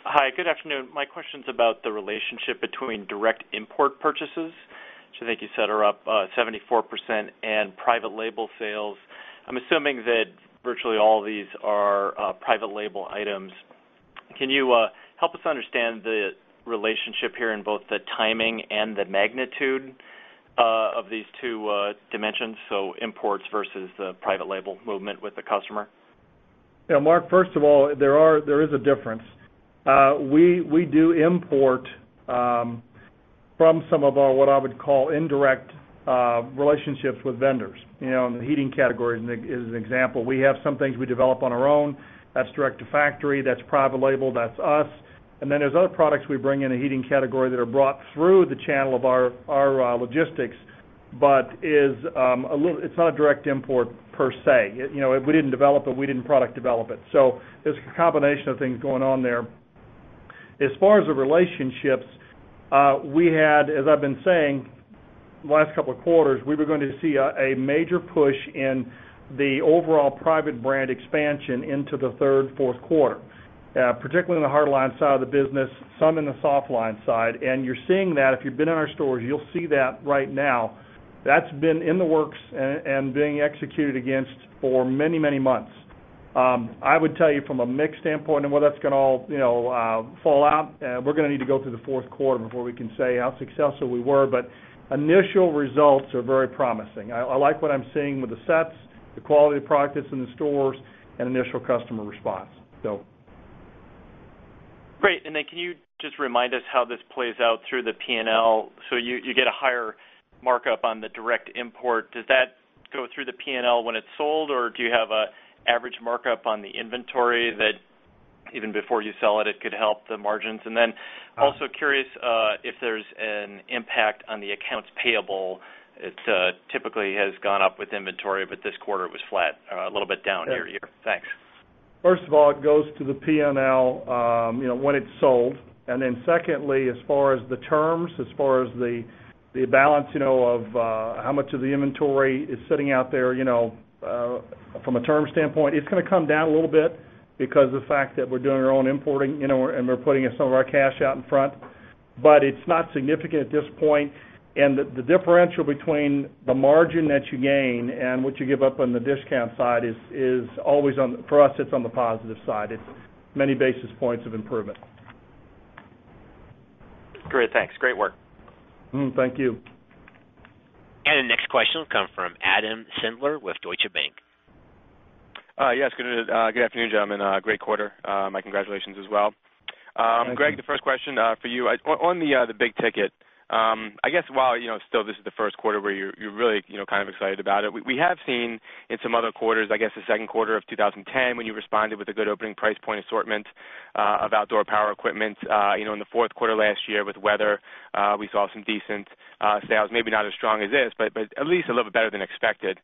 Hi, good afternoon. My question is about the relationship between direct import purchases. I think you said they're up 74% and private label sales. I'm assuming that virtually all of these are private label items. Can you help us understand the relationship here in both the timing and the magnitude of these two dimensions, imports versus the private label movement with the customer? You know, Mark, first of all, there is a difference. We do import from some of our, what I would call, indirect relationships with vendors. In the heating category, as an example, we have some things we develop on our own. That's direct to factory. That's private label. That's us. Then there's other products we bring in a heating category that are brought through the channel of our logistics, but it's not a direct import per se. If we didn't develop it, we didn't product develop it. There's a combination of things going on there. As far as the relationships, as I've been saying the last couple of quarters, we were going to see a major push in the overall private brand expansion into the third, fourth quarter, particularly on the hard-line side of the business, some in the soft-line side. You're seeing that if you've been in our stores, you'll see that right now. That's been in the works and being executed against for many, many months. I would tell you from a mixed standpoint and whether that's going to all fall out, we're going to need to go through the fourth quarter before we can say how successful we were. Initial results are very promising. I like what I'm seeing with the sets, the quality of the product that's in the stores, and initial customer response. Great. Can you just remind us how this plays out through the P&L? You get a higher markup on the direct import. Does that go through the P&L when it's sold, or do you have an average markup on the inventory that even before you sell it, it could help the margins? Also curious if there's an impact on the accounts payable. It typically has gone up with inventory, but this quarter it was flat, a little bit down here. Thanks. First of all, it goes to the P&L, you know, when it's sold. Then secondly, as far as the terms, as far as the balance, you know, of how much of the inventory is sitting out there, you know, from a term standpoint, it's going to come down a little bit because of the fact that we're doing our own importing, you know, and we're putting some of our cash out in front. It's not significant at this point. The differential between the margin that you gain and what you give up on the discount side is always on, for us, it's on the positive side. It's many basis points of improvement. Great. Thanks. Great work. Thank you. The next question will come from Adam Schindler with Deutsche Bank. Yes. Good afternoon, gentlemen. Great quarter. My congratulations as well. Thank you. Greg, the first question for you on the big ticket. This is the first quarter where you're really kind of excited about it. We have seen in some other quarters, the second quarter of 2010, when you responded with a good opening price point assortment of outdoor power equipment. In the fourth quarter last year with weather, we saw some decent sales, maybe not as strong as this, but at least a little bit better than expected.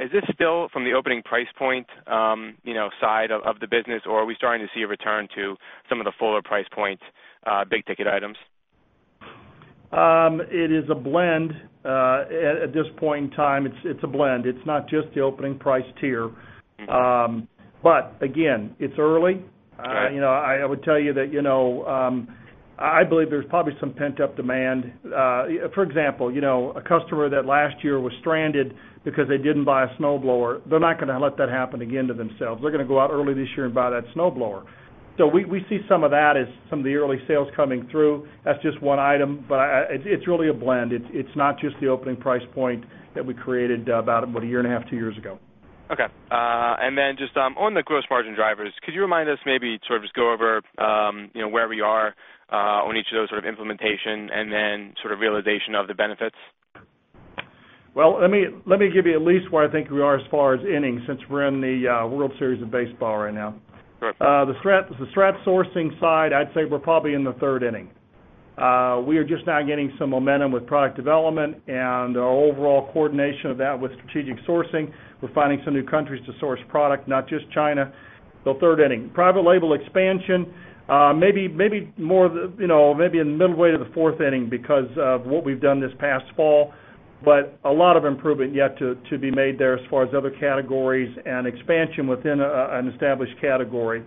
Is this still from the opening price point side of the business, or are we starting to see a return to some of the fuller price points, big ticket items? It is a blend. At this point in time, it's a blend. It's not just the opening price tier. Again, it's early. I would tell you that I believe there's probably some pent-up demand. For example, a customer that last year was stranded because they didn't buy a snowblower, they're not going to let that happen again to themselves. They're going to go out early this year and buy that snowblower. We see some of that as some of the early sales coming through. That's just one item, but it's really a blend. It's not just the opening price point that we created about, what, a year and a half, two years ago. Okay, just on the gross margin drivers, could you remind us maybe sort of just go over, you know, where we are on each of those sort of implementation and then sort of realization of the benefits? Let me give you at least where I think we are as far as innings since we're in the World Series of Baseball right now. The strategic sourcing side, I'd say we're probably in the third inning. We are just now getting some momentum with product development and our overall coordination of that with strategic sourcing. We're finding some new countries to source product, not just China. Third inning. Private label expansion, maybe more of the, you know, maybe in the middle way to the fourth inning because of what we've done this past fall. A lot of improvement yet to be made there as far as other categories and expansion within an established category.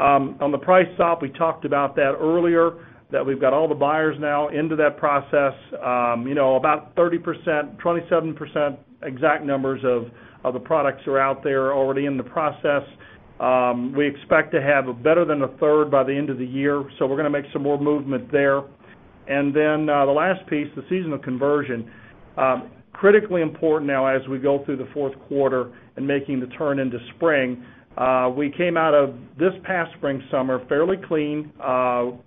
On the price optimization, we talked about that earlier, that we've got all the buyers now into that process. About 30%, 27% exact numbers of the products that are out there already in the process. We expect to have better than a third by the end of the year. We're going to make some more movement there. The last piece, the seasonal conversion, is critically important now as we go through the fourth quarter and making the turn into spring. We came out of this past spring/summer fairly clean,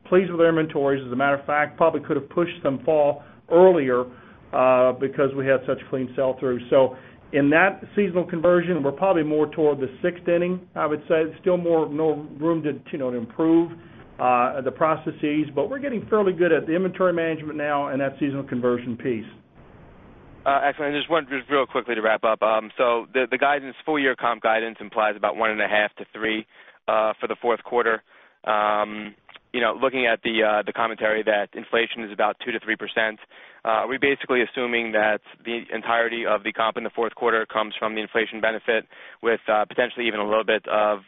pleased with our inventories. As a matter of fact, probably could have pushed some fall earlier because we had such clean sell-through. In that seasonal conversion, we're probably more toward the sixth inning. I would say there's still more room to improve the processes, but we're getting fairly good at the inventory management now and that seasonal conversion piece. Excellent. I just wanted real quickly to wrap up. The guidance, full-year comp guidance implies about 1.5%-3% for the fourth quarter. Looking at the commentary that inflation is about 2%-3%, are we basically assuming that the entirety of the comp in the fourth quarter comes from the inflation benefit with potentially even a little bit of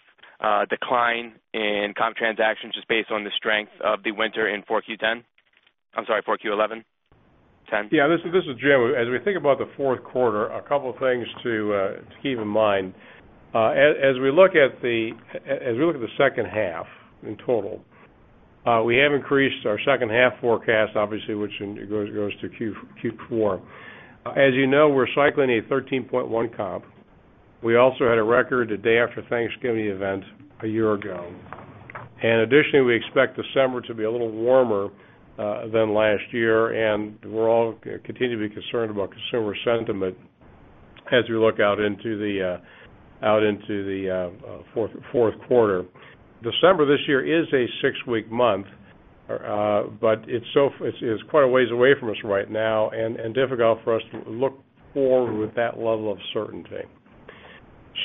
decline in comp transactions just based on the strength of the winter in 4Q10? I'm sorry, 4Q11? 10? Yeah, this is Jim. As we think about the fourth quarter, a couple of things to keep in mind. As we look at the second half in total, we have increased our second half forecast, obviously, which goes to Q4. As you know, we're cycling a 13.1% comp. We also had a record day after Thanksgiving event a year ago. Additionally, we expect December to be a little warmer than last year, and we're all continuing to be concerned about consumer sentiment as we look out into the fourth quarter. December this year is a six-week month, but it's quite a ways away from us right now and difficult for us to look forward with that level of certainty.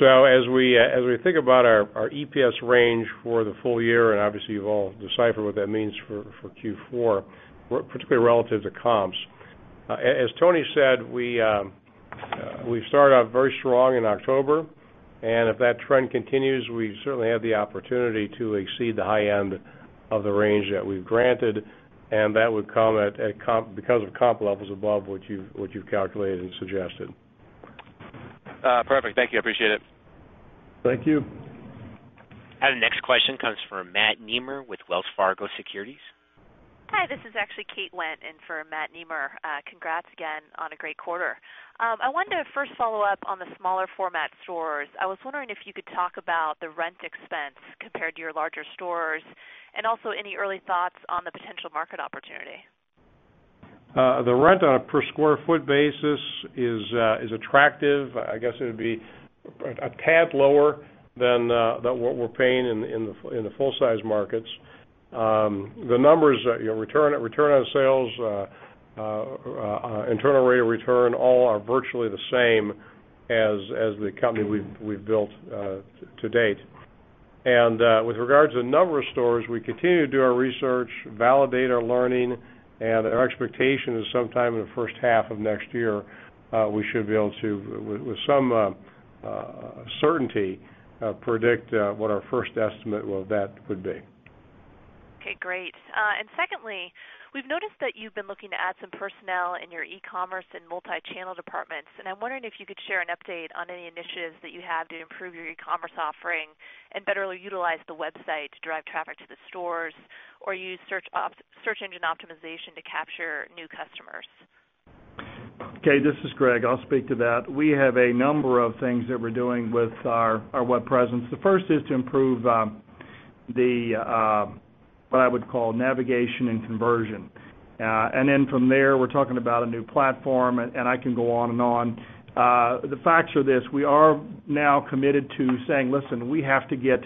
As we think about our EPS range for the full year, and obviously, you've all deciphered what that means for Q4, particularly relative to comps. As Tony said, we started out very strong in October, and if that trend continues, we certainly have the opportunity to exceed the high end of the range that we've granted, and that would come because of comp levels above what you've calculated and suggested. Perfect. Thank you. I appreciate it. Thank you. The next question comes from Matt Nemer with Wells Fargo Securities. Hi, this is actually Kate Lent in for Matt Nemer. Congrats again on a great quarter. I wanted to first follow up on the smaller format stores. I was wondering if you could talk about the rent expense compared to your larger stores, and also any early thoughts on the potential market opportunity. The rent on a per square foot basis is attractive. I guess it would be a tad lower than what we're paying in the full-size markets. The numbers, you know, return on sales, internal rate of return, all are virtually the same as the company we've built to date. With regard to the number of stores, we continue to do our research, validate our learning, and our expectation is sometime in the first half of next year, we should be able to, with some certainty, predict what our first estimate of that would be. Okay, great. Secondly, we've noticed that you've been looking to add some personnel in your e-commerce and multi-channel departments, and I'm wondering if you could share an update on any initiatives that you have to improve your e-commerce offering and better utilize the website to drive traffic to the stores or use search engine optimization to capture new customers. Okay, this is Greg. I'll speak to that. We have a number of things that we're doing with our web presence. The first is to improve what I would call navigation and conversion. From there, we're talking about a new platform, and I can go on and on. The facts are this. We are now committed to saying, "Listen, we have to get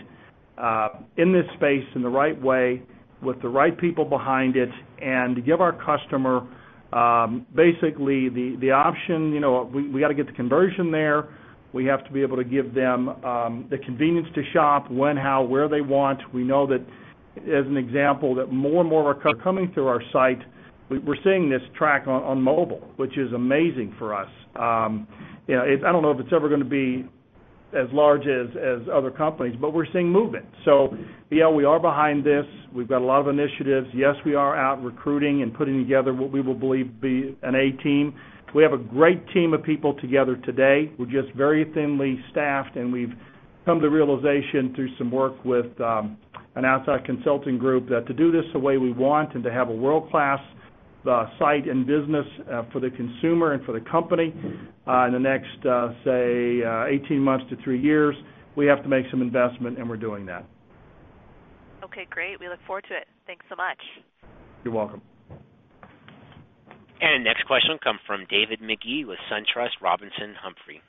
in this space in the right way with the right people behind it and give our customer basically the option. You know, we got to get the conversion there. We have to be able to give them the convenience to shop when, how, where they want." We know that, as an example, that more and more are coming through our site, we're seeing this track on mobile, which is amazing for us. I don't know if it's ever going to be as large as other companies, but we're seeing movement. Yeah, we are behind this. We've got a lot of initiatives. Yes, we are out recruiting and putting together what we will believe to be an A team. We have a great team of people together today. We're just very thinly staffed, and we've come to the realization through some work with an outside consulting group that to do this the way we want and to have a world-class site and business for the consumer and for the company in the next, say, 18 months to three years, we have to make some investment, and we're doing that. Okay, great. We look forward to it. Thanks so much. You're welcome. The next question will come from David Magee with SunTrust Robinson Humphrey.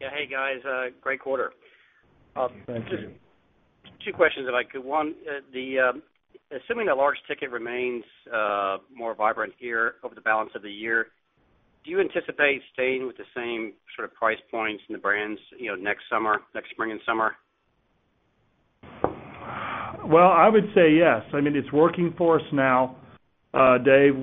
Yeah, hey guys. Great quarter. Thank you. Two questions that I could. One, assuming the large ticket remains more vibrant here over the balance of the year, do you anticipate staying with the same sort of price points and the brands, you know, next spring and summer? I would say yes. I mean, it's working for us now, Dave.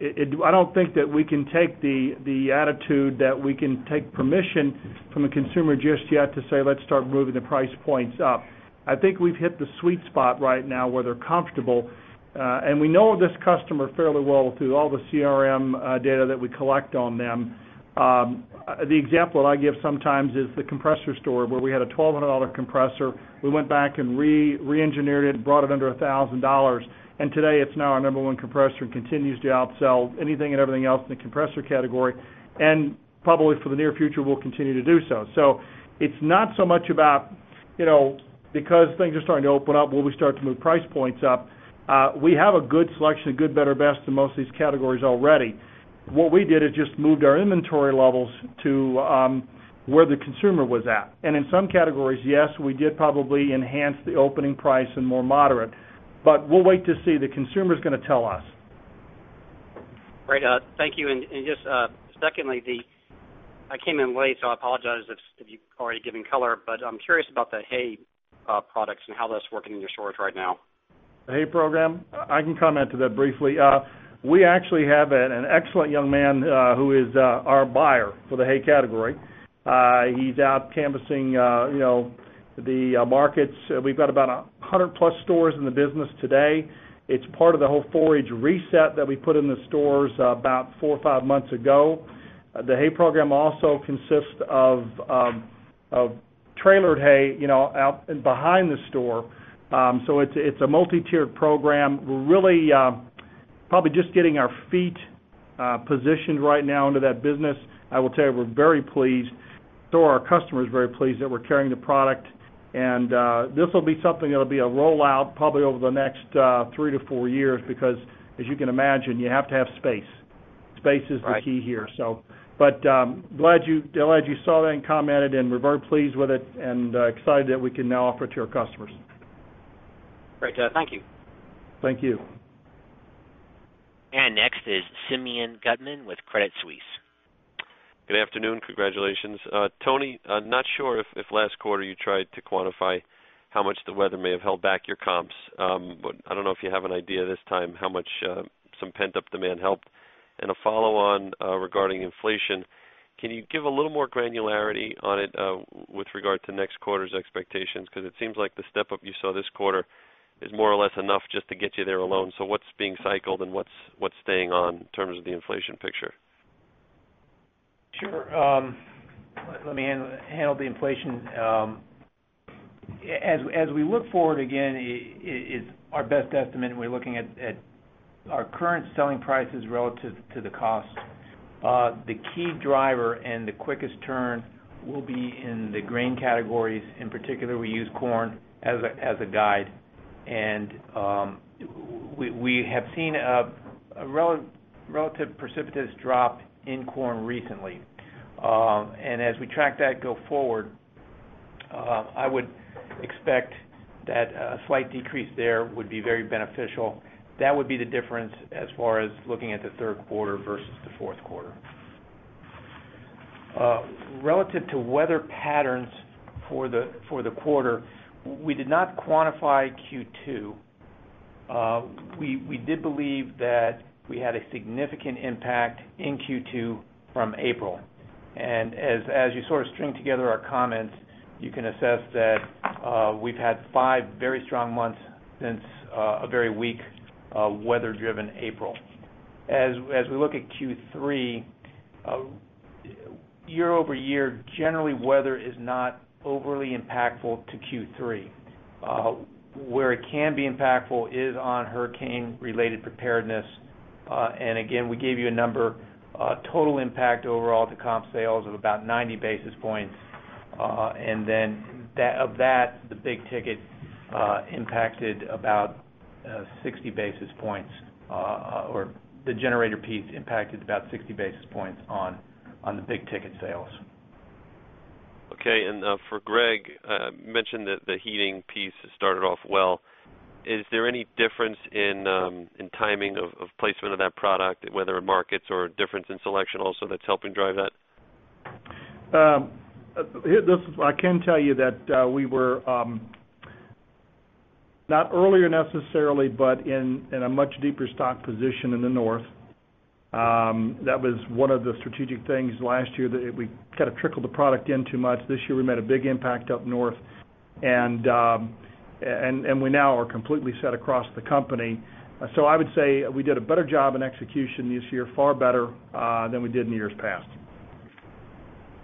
I don't think that we can take the attitude that we can take permission from a consumer just yet to say, "Let's start moving the price points up." I think we've hit the sweet spot right now where they're comfortable. We know this customer fairly well through all the CRM data that we collect on them. The example that I give sometimes is the compressor store where we had a $1,200 compressor. We went back and re-engineered it and brought it under $1,000. Today, it's now our number one compressor and continues to outsell anything and everything else in the compressor category. Probably for the near future, we'll continue to do so. It's not so much about, you know, because things are starting to open up, will we start to move price points up? We have a good selection of good, better, best in most of these categories already. What we did is just moved our inventory levels to where the consumer was at. In some categories, yes, we did probably enhance the opening price and more moderate. We'll wait to see. The consumer is going to tell us. Great. Thank you. Just secondly, I came in late, so I apologize if you've already given color, but I'm curious about the hay products and how that's working in your stores right now. The hay program, I can comment to that briefly. We actually have an excellent young man who is our buyer for the hay category. He's out canvassing the markets. We've got about 100+ stores in the business today. It's part of the whole forage reset that we put in the stores about four or five months ago. The hay program also consists of trailered hay out and behind the store. It's a multi-tiered program. We're really probably just getting our feet positioned right now into that business. I will tell you, we're very pleased. Our customers are very pleased that we're carrying the product. This will be something that'll be a rollout probably over the next three to four years because, as you can imagine, you have to have space. Space is the key here. Right. Glad you saw that and commented and we're very pleased with it and excited that we can now offer it to our customers. Great. Thank you. Thank you. Next is Simeon Gutman with Credit Suisse. Good afternoon. Congratulations. Tony, not sure if last quarter you tried to quantify how much the weather may have held back your comps, but I don't know if you have an idea this time how much some pent-up demand helped. A follow-on regarding inflation, can you give a little more granularity on it with regard to next quarter's expectations? It seems like the step-up you saw this quarter is more or less enough just to get you there alone. What's being cycled and what's staying on in terms of the inflation picture? Sure. Let me handle the inflation. As we look forward again, it's our best estimate when we're looking at our current selling prices relative to the costs. The key driver and the quickest turn will be in the grain categories. In particular, we use corn as a guide, and we have seen a relative precipitous drop in corn recently. As we track that going forward, I would expect that a slight decrease there would be very beneficial. That would be the difference as far as looking at the third quarter versus the fourth quarter. Relative to weather patterns for the quarter, we did not quantify Q2. We did believe that we had a significant impact in Q2 from April. As you sort of string together our comments, you can assess that we've had five very strong months since a very weak weather-driven April. As we look at Q3, year over year, generally, weather is not overly impactful to Q3. Where it can be impactful is on hurricane-related preparedness. We gave you a number. Total impact overall to comp store sales of about 90 basis points. Of that, the big ticket impacted about 60 basis points, or the generator piece impacted about 60 basis points on the big ticket sales. Okay. For Greg, you mentioned that the heating piece has started off well. Is there any difference in timing of placement of that product, whether in markets, or a difference in selection also that's helping drive that? I can tell you that we were not earlier necessarily, but in a much deeper stock position in the North. That was one of the strategic things last year that we kind of trickled the product in too much. This year, we made a big impact up North, and we now are completely set across the company. I would say we did a better job in execution this year, far better than we did in the years past.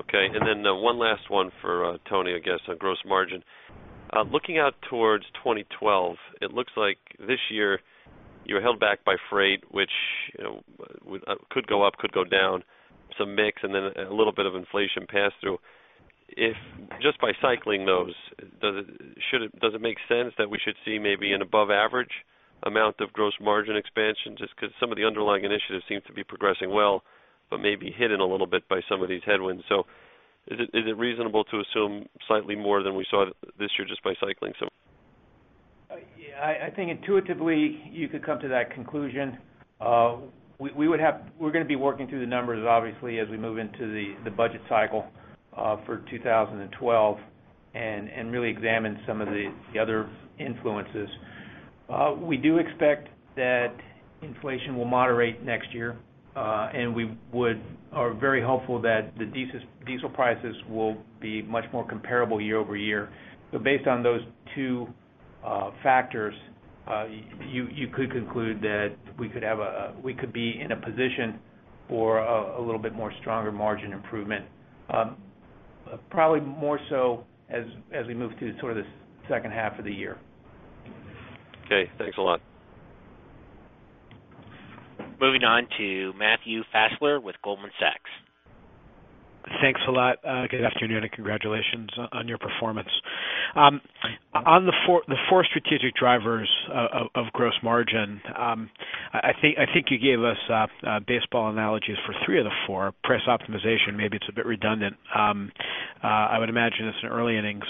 Okay. One last one for Tony, I guess, on gross margin. Looking out towards 2012, it looks like this year you were held back by freight, which you know could go up, could go down, some mix, and then a little bit of inflation pass-through. If just by cycling those, does it make sense that we should see maybe an above-average amount of gross margin expansion just because some of the underlying initiatives seem to be progressing well, but may be hidden a little bit by some of these headwinds? Is it reasonable to assume slightly more than we saw this year just by cycling some? Yeah, I think intuitively you could come to that conclusion. We're going to be working through the numbers, obviously, as we move into the budget cycle for 2012 and really examine some of the other influences. We do expect that inflation will moderate next year, and we are very hopeful that the diesel prices will be much more comparable year over year. Based on those two factors, you could conclude that we could be in a position for a little bit more stronger margin improvement, probably more so as we move to sort of the second half of the year. Okay, thanks a lot. Moving on to Matthew Fassler with Goldman Sachs. Thanks a lot. Good afternoon and congratulations on your performance. On the four strategic drivers of gross margin, I think you gave us baseball analogies for three of the four. Price optimization, maybe it's a bit redundant. I would imagine it's an early innings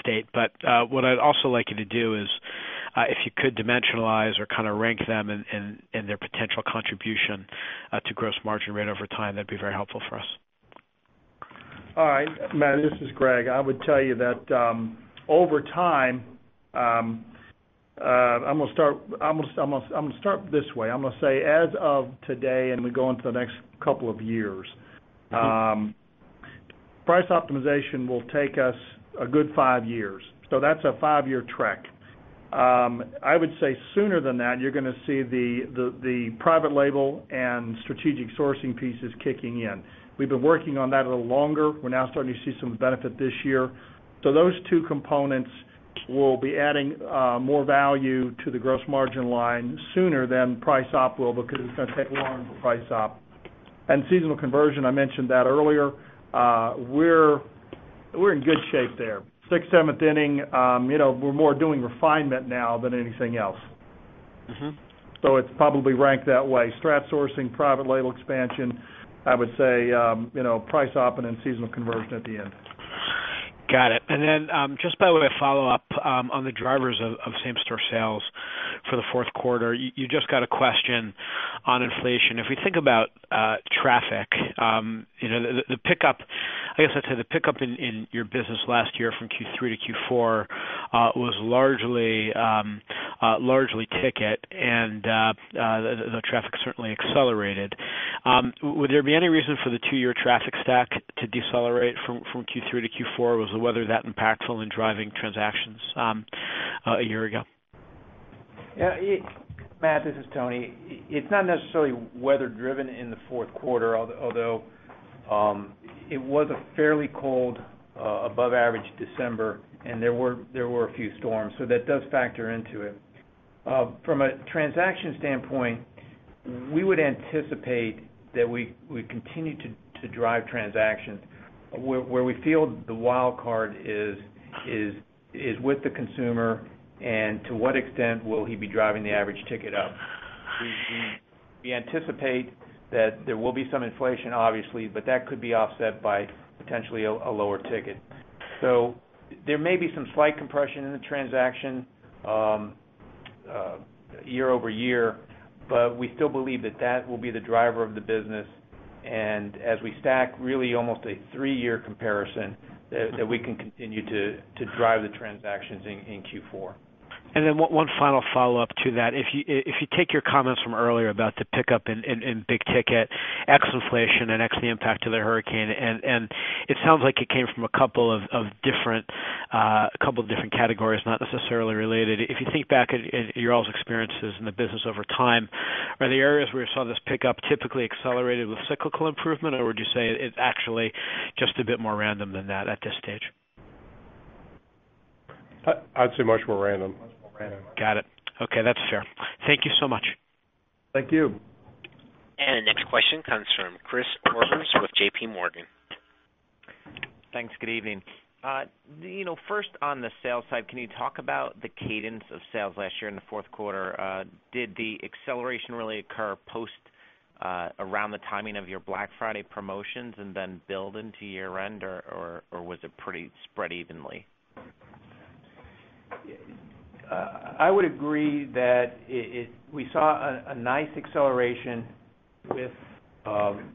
state. What I'd also like you to do is, if you could dimensionalize or kind of rank them in their potential contribution to gross margin rate over time, that'd be very helpful for us. All right. Man, this is Greg. I would tell you that over time, I'm going to start this way. I'm going to say as of today and we go into the next couple of years, price optimization will take us a good five years. That's a five-year trek. I would say sooner than that, you're going to see the private label and strategic sourcing pieces kicking in. We've been working on that a little longer. We're now starting to see some benefit this year. Those two components will be adding more value to the gross margin line sooner than price op will because it's going to take a long price op. Seasonal conversion, I mentioned that earlier, we're in good shape there. Sixth, seventh inning, you know, we're more doing refinement now than anything else. It's probably ranked that way. Strategic sourcing, private label expansion, I would say, you know, price op and then seasonal conversion at the end. Got it. Just by the way, a follow-up on the drivers of same-store sales for the fourth quarter. You just got a question on inflation. If we think about traffic, the pickup, I guess I'd say the pickup in your business last year from Q3 to Q4 was largely ticket, and the traffic certainly accelerated. Would there be any reason for the two-year traffic stack to decelerate from Q3 to Q4? Was the weather that impactful in driving transactions a year ago? Yeah. Matt, this is Tony. It's not necessarily weather-driven in the fourth quarter, although it was a fairly cold, above-average December, and there were a few storms. That does factor into it. From a transaction standpoint, we would anticipate that we continue to drive transactions. Where we feel the wild card is with the consumer and to what extent will he be driving the average ticket up. We anticipate that there will be some inflation, obviously, but that could be offset by potentially a lower ticket. There may be some slight compression in the transaction year over year, but we still believe that will be the driver of the business. As we stack really almost a three-year comparison, we can continue to drive the transactions in Q4. One final follow-up to that. If you take your comments from earlier about the pickup in big ticket, ex-inflation and ex the impact of the hurricane, it sounds like it came from a couple of different categories, not necessarily related. If you think back in your all's experiences in the business over time, are the areas where you saw this pickup typically accelerated with cyclical improvement, or would you say it's actually just a bit more random than that at this stage? I'd say much more random. Got it. Okay, that's fair. Thank you so much. Thank you. The next question comes from Chris Horvers with JPMorgan. Thanks. Good evening. First on the sales side, can you talk about the cadence of sales last year in the fourth quarter? Did the acceleration really occur around the timing of your Black Friday promotions and then build into year-end, or was it pretty spread evenly? I would agree that we saw a nice acceleration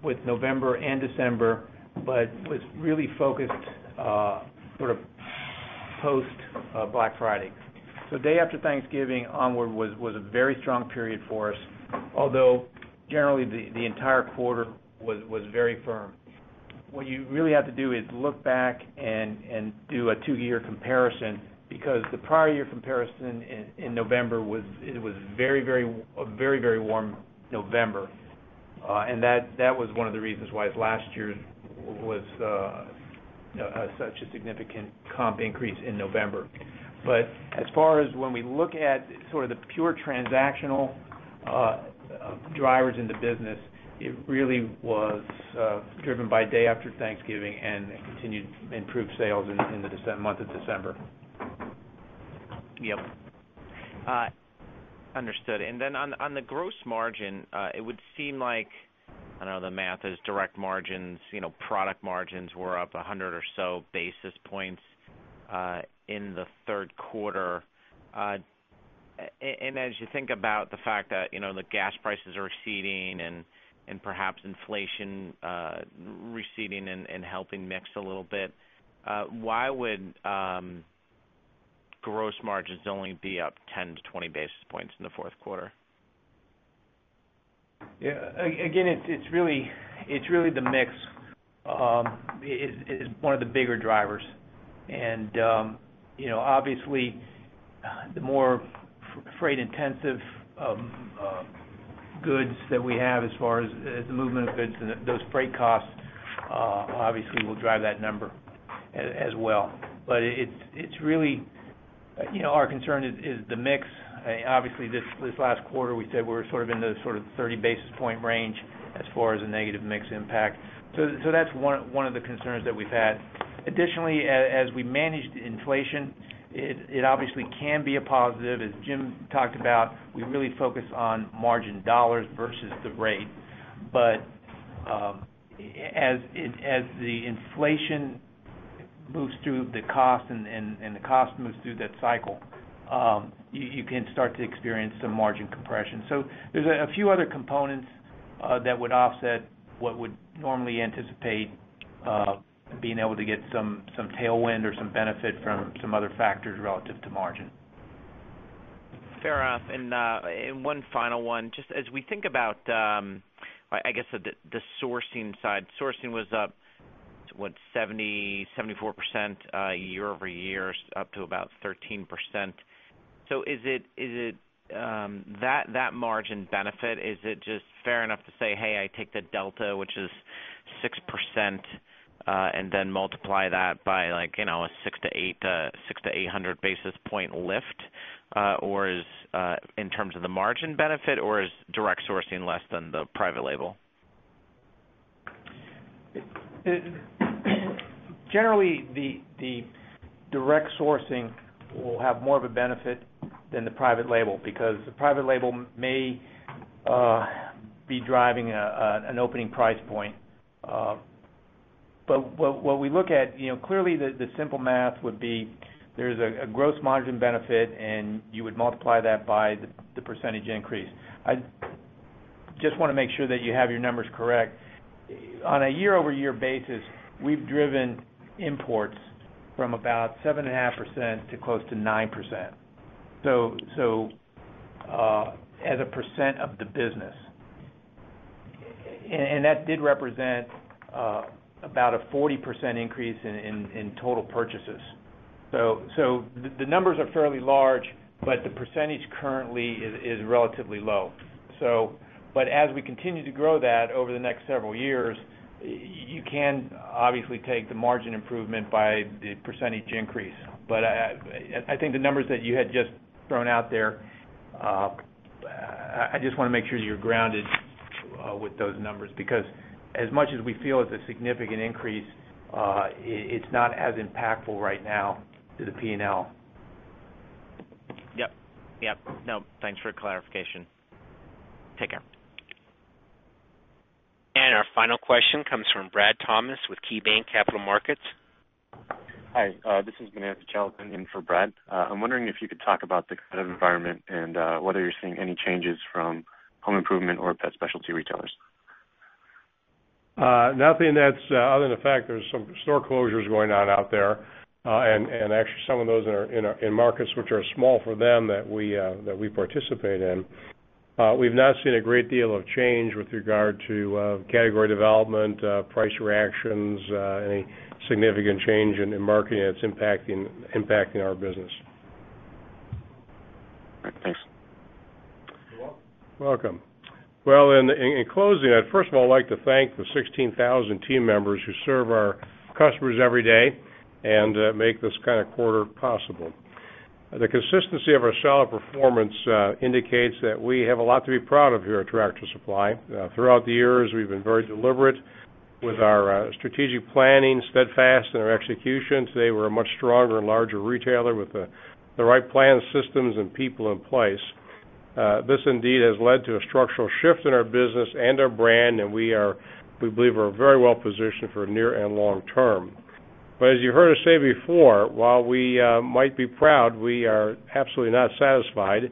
with November and December, but it was really focused sort of post-Black Friday. The day after Thanksgiving onward was a very strong period for us, although generally the entire quarter was very firm. What you really have to do is look back and do a two-year comparison because the prior year comparison in November was a very, very, very, very warm November. That was one of the reasons why last year was such a significant comp store sales increase in November. As far as when we look at sort of the pure transactional drivers in the business, it really was driven by the day after Thanksgiving and continued to improve sales in the month of December. Understood. On the gross margin, it would seem like, I don't know, the math is direct margins, you know, product margins were up 100 or so basis points. Since In the third quarter, as you think about the fact that the gas prices are receding and perhaps inflation receding and helping mix a little bit, why would gross margins only be up 10 basis points-20 basis points in the fourth quarter? Yeah, it's really the mix, is one of the bigger drivers. Obviously, the more freight-intensive goods that we have as far as the movement of goods and those freight costs, obviously will drive that number as well. It's really, our concern is the mix. Obviously, this last quarter we said we were sort of in the 30 basis point range as far as a negative mix impact. That's one of the concerns that we've had. Additionally, as we manage inflation, it obviously can be a positive. As Jim talked about, we really focus on margin dollars versus the rate. As the inflation moves through the cost and the cost moves through that cycle, you can start to experience some margin compression. There are a few other components that would offset what would normally anticipate, being able to get some tailwind or some benefit from some other factors relative to margin. Fair enough. One final one, just as we think about, I guess, the sourcing side. Sourcing was up, what, 70%, 74%, year-over-year, up to about 13%. Is it that margin benefit, is it just fair enough to say, hey, I take the delta, which is 6%, and then multiply that by like, you know, a 600 basis points-800 basis point lift, in terms of the margin benefit, or is direct sourcing less than the private label? Generally, the direct sourcing will have more of a benefit than the private label because the private label may be driving an opening price point. What we look at, you know, clearly the simple math would be there's a gross margin benefit and you would multiply that by the percentage increase. I just want to make sure that you have your numbers correct. On a year over year basis, we've driven imports from about 7.5% to close to 9%. As a percent of the business, that did represent about a 40% increase in total purchases. The numbers are fairly large, but the percentage currently is relatively low. As we continue to grow that over the next several years, you can obviously take the margin improvement by the percentage increase. I think the numbers that you had just thrown out there, I just want to make sure that you're grounded with those numbers because as much as we feel it's a significant increase, it's not as impactful right now to the P&L. Yep. Yep. No, thanks for clarification. Take care. Our final question comes from Brad Thomas with KeyBanc Capital Markets. Hi, this is Bernard Shelton in for Brad. I'm wondering if you could talk about the credit environment and whether you're seeing any changes from home improvement or pet specialty retailers. Nothing that's other than the fact there's some store closures going on out there. Actually, some of those are in markets which are small for them that we participate in. We've not seen a great deal of change with regard to category development, price reactions, or any significant change in marketing that's impacting our business. Thanks. You're welcome. In closing, I'd first of all like to thank the 16,000 team members who serve our customers every day and make this kind of quarter possible. The consistency of our solid performance indicates that we have a lot to be proud of here at Tractor Supply Company. Throughout the years, we've been very deliberate with our strategic planning, steadfast in our execution. Today, we're a much stronger and larger retailer with the right plan, systems, and people in place. This indeed has led to a structural shift in our business and our brand, and we are, we believe we're very well positioned for near and long term. As you heard us say before, while we might be proud, we are absolutely not satisfied,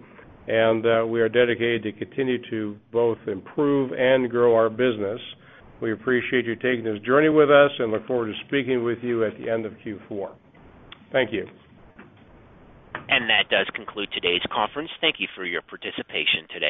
and we are dedicated to continue to both improve and grow our business. We appreciate you taking this journey with us and look forward to speaking with you at the end of Q4. Thank you. That does conclude today's conference. Thank you for your participation today.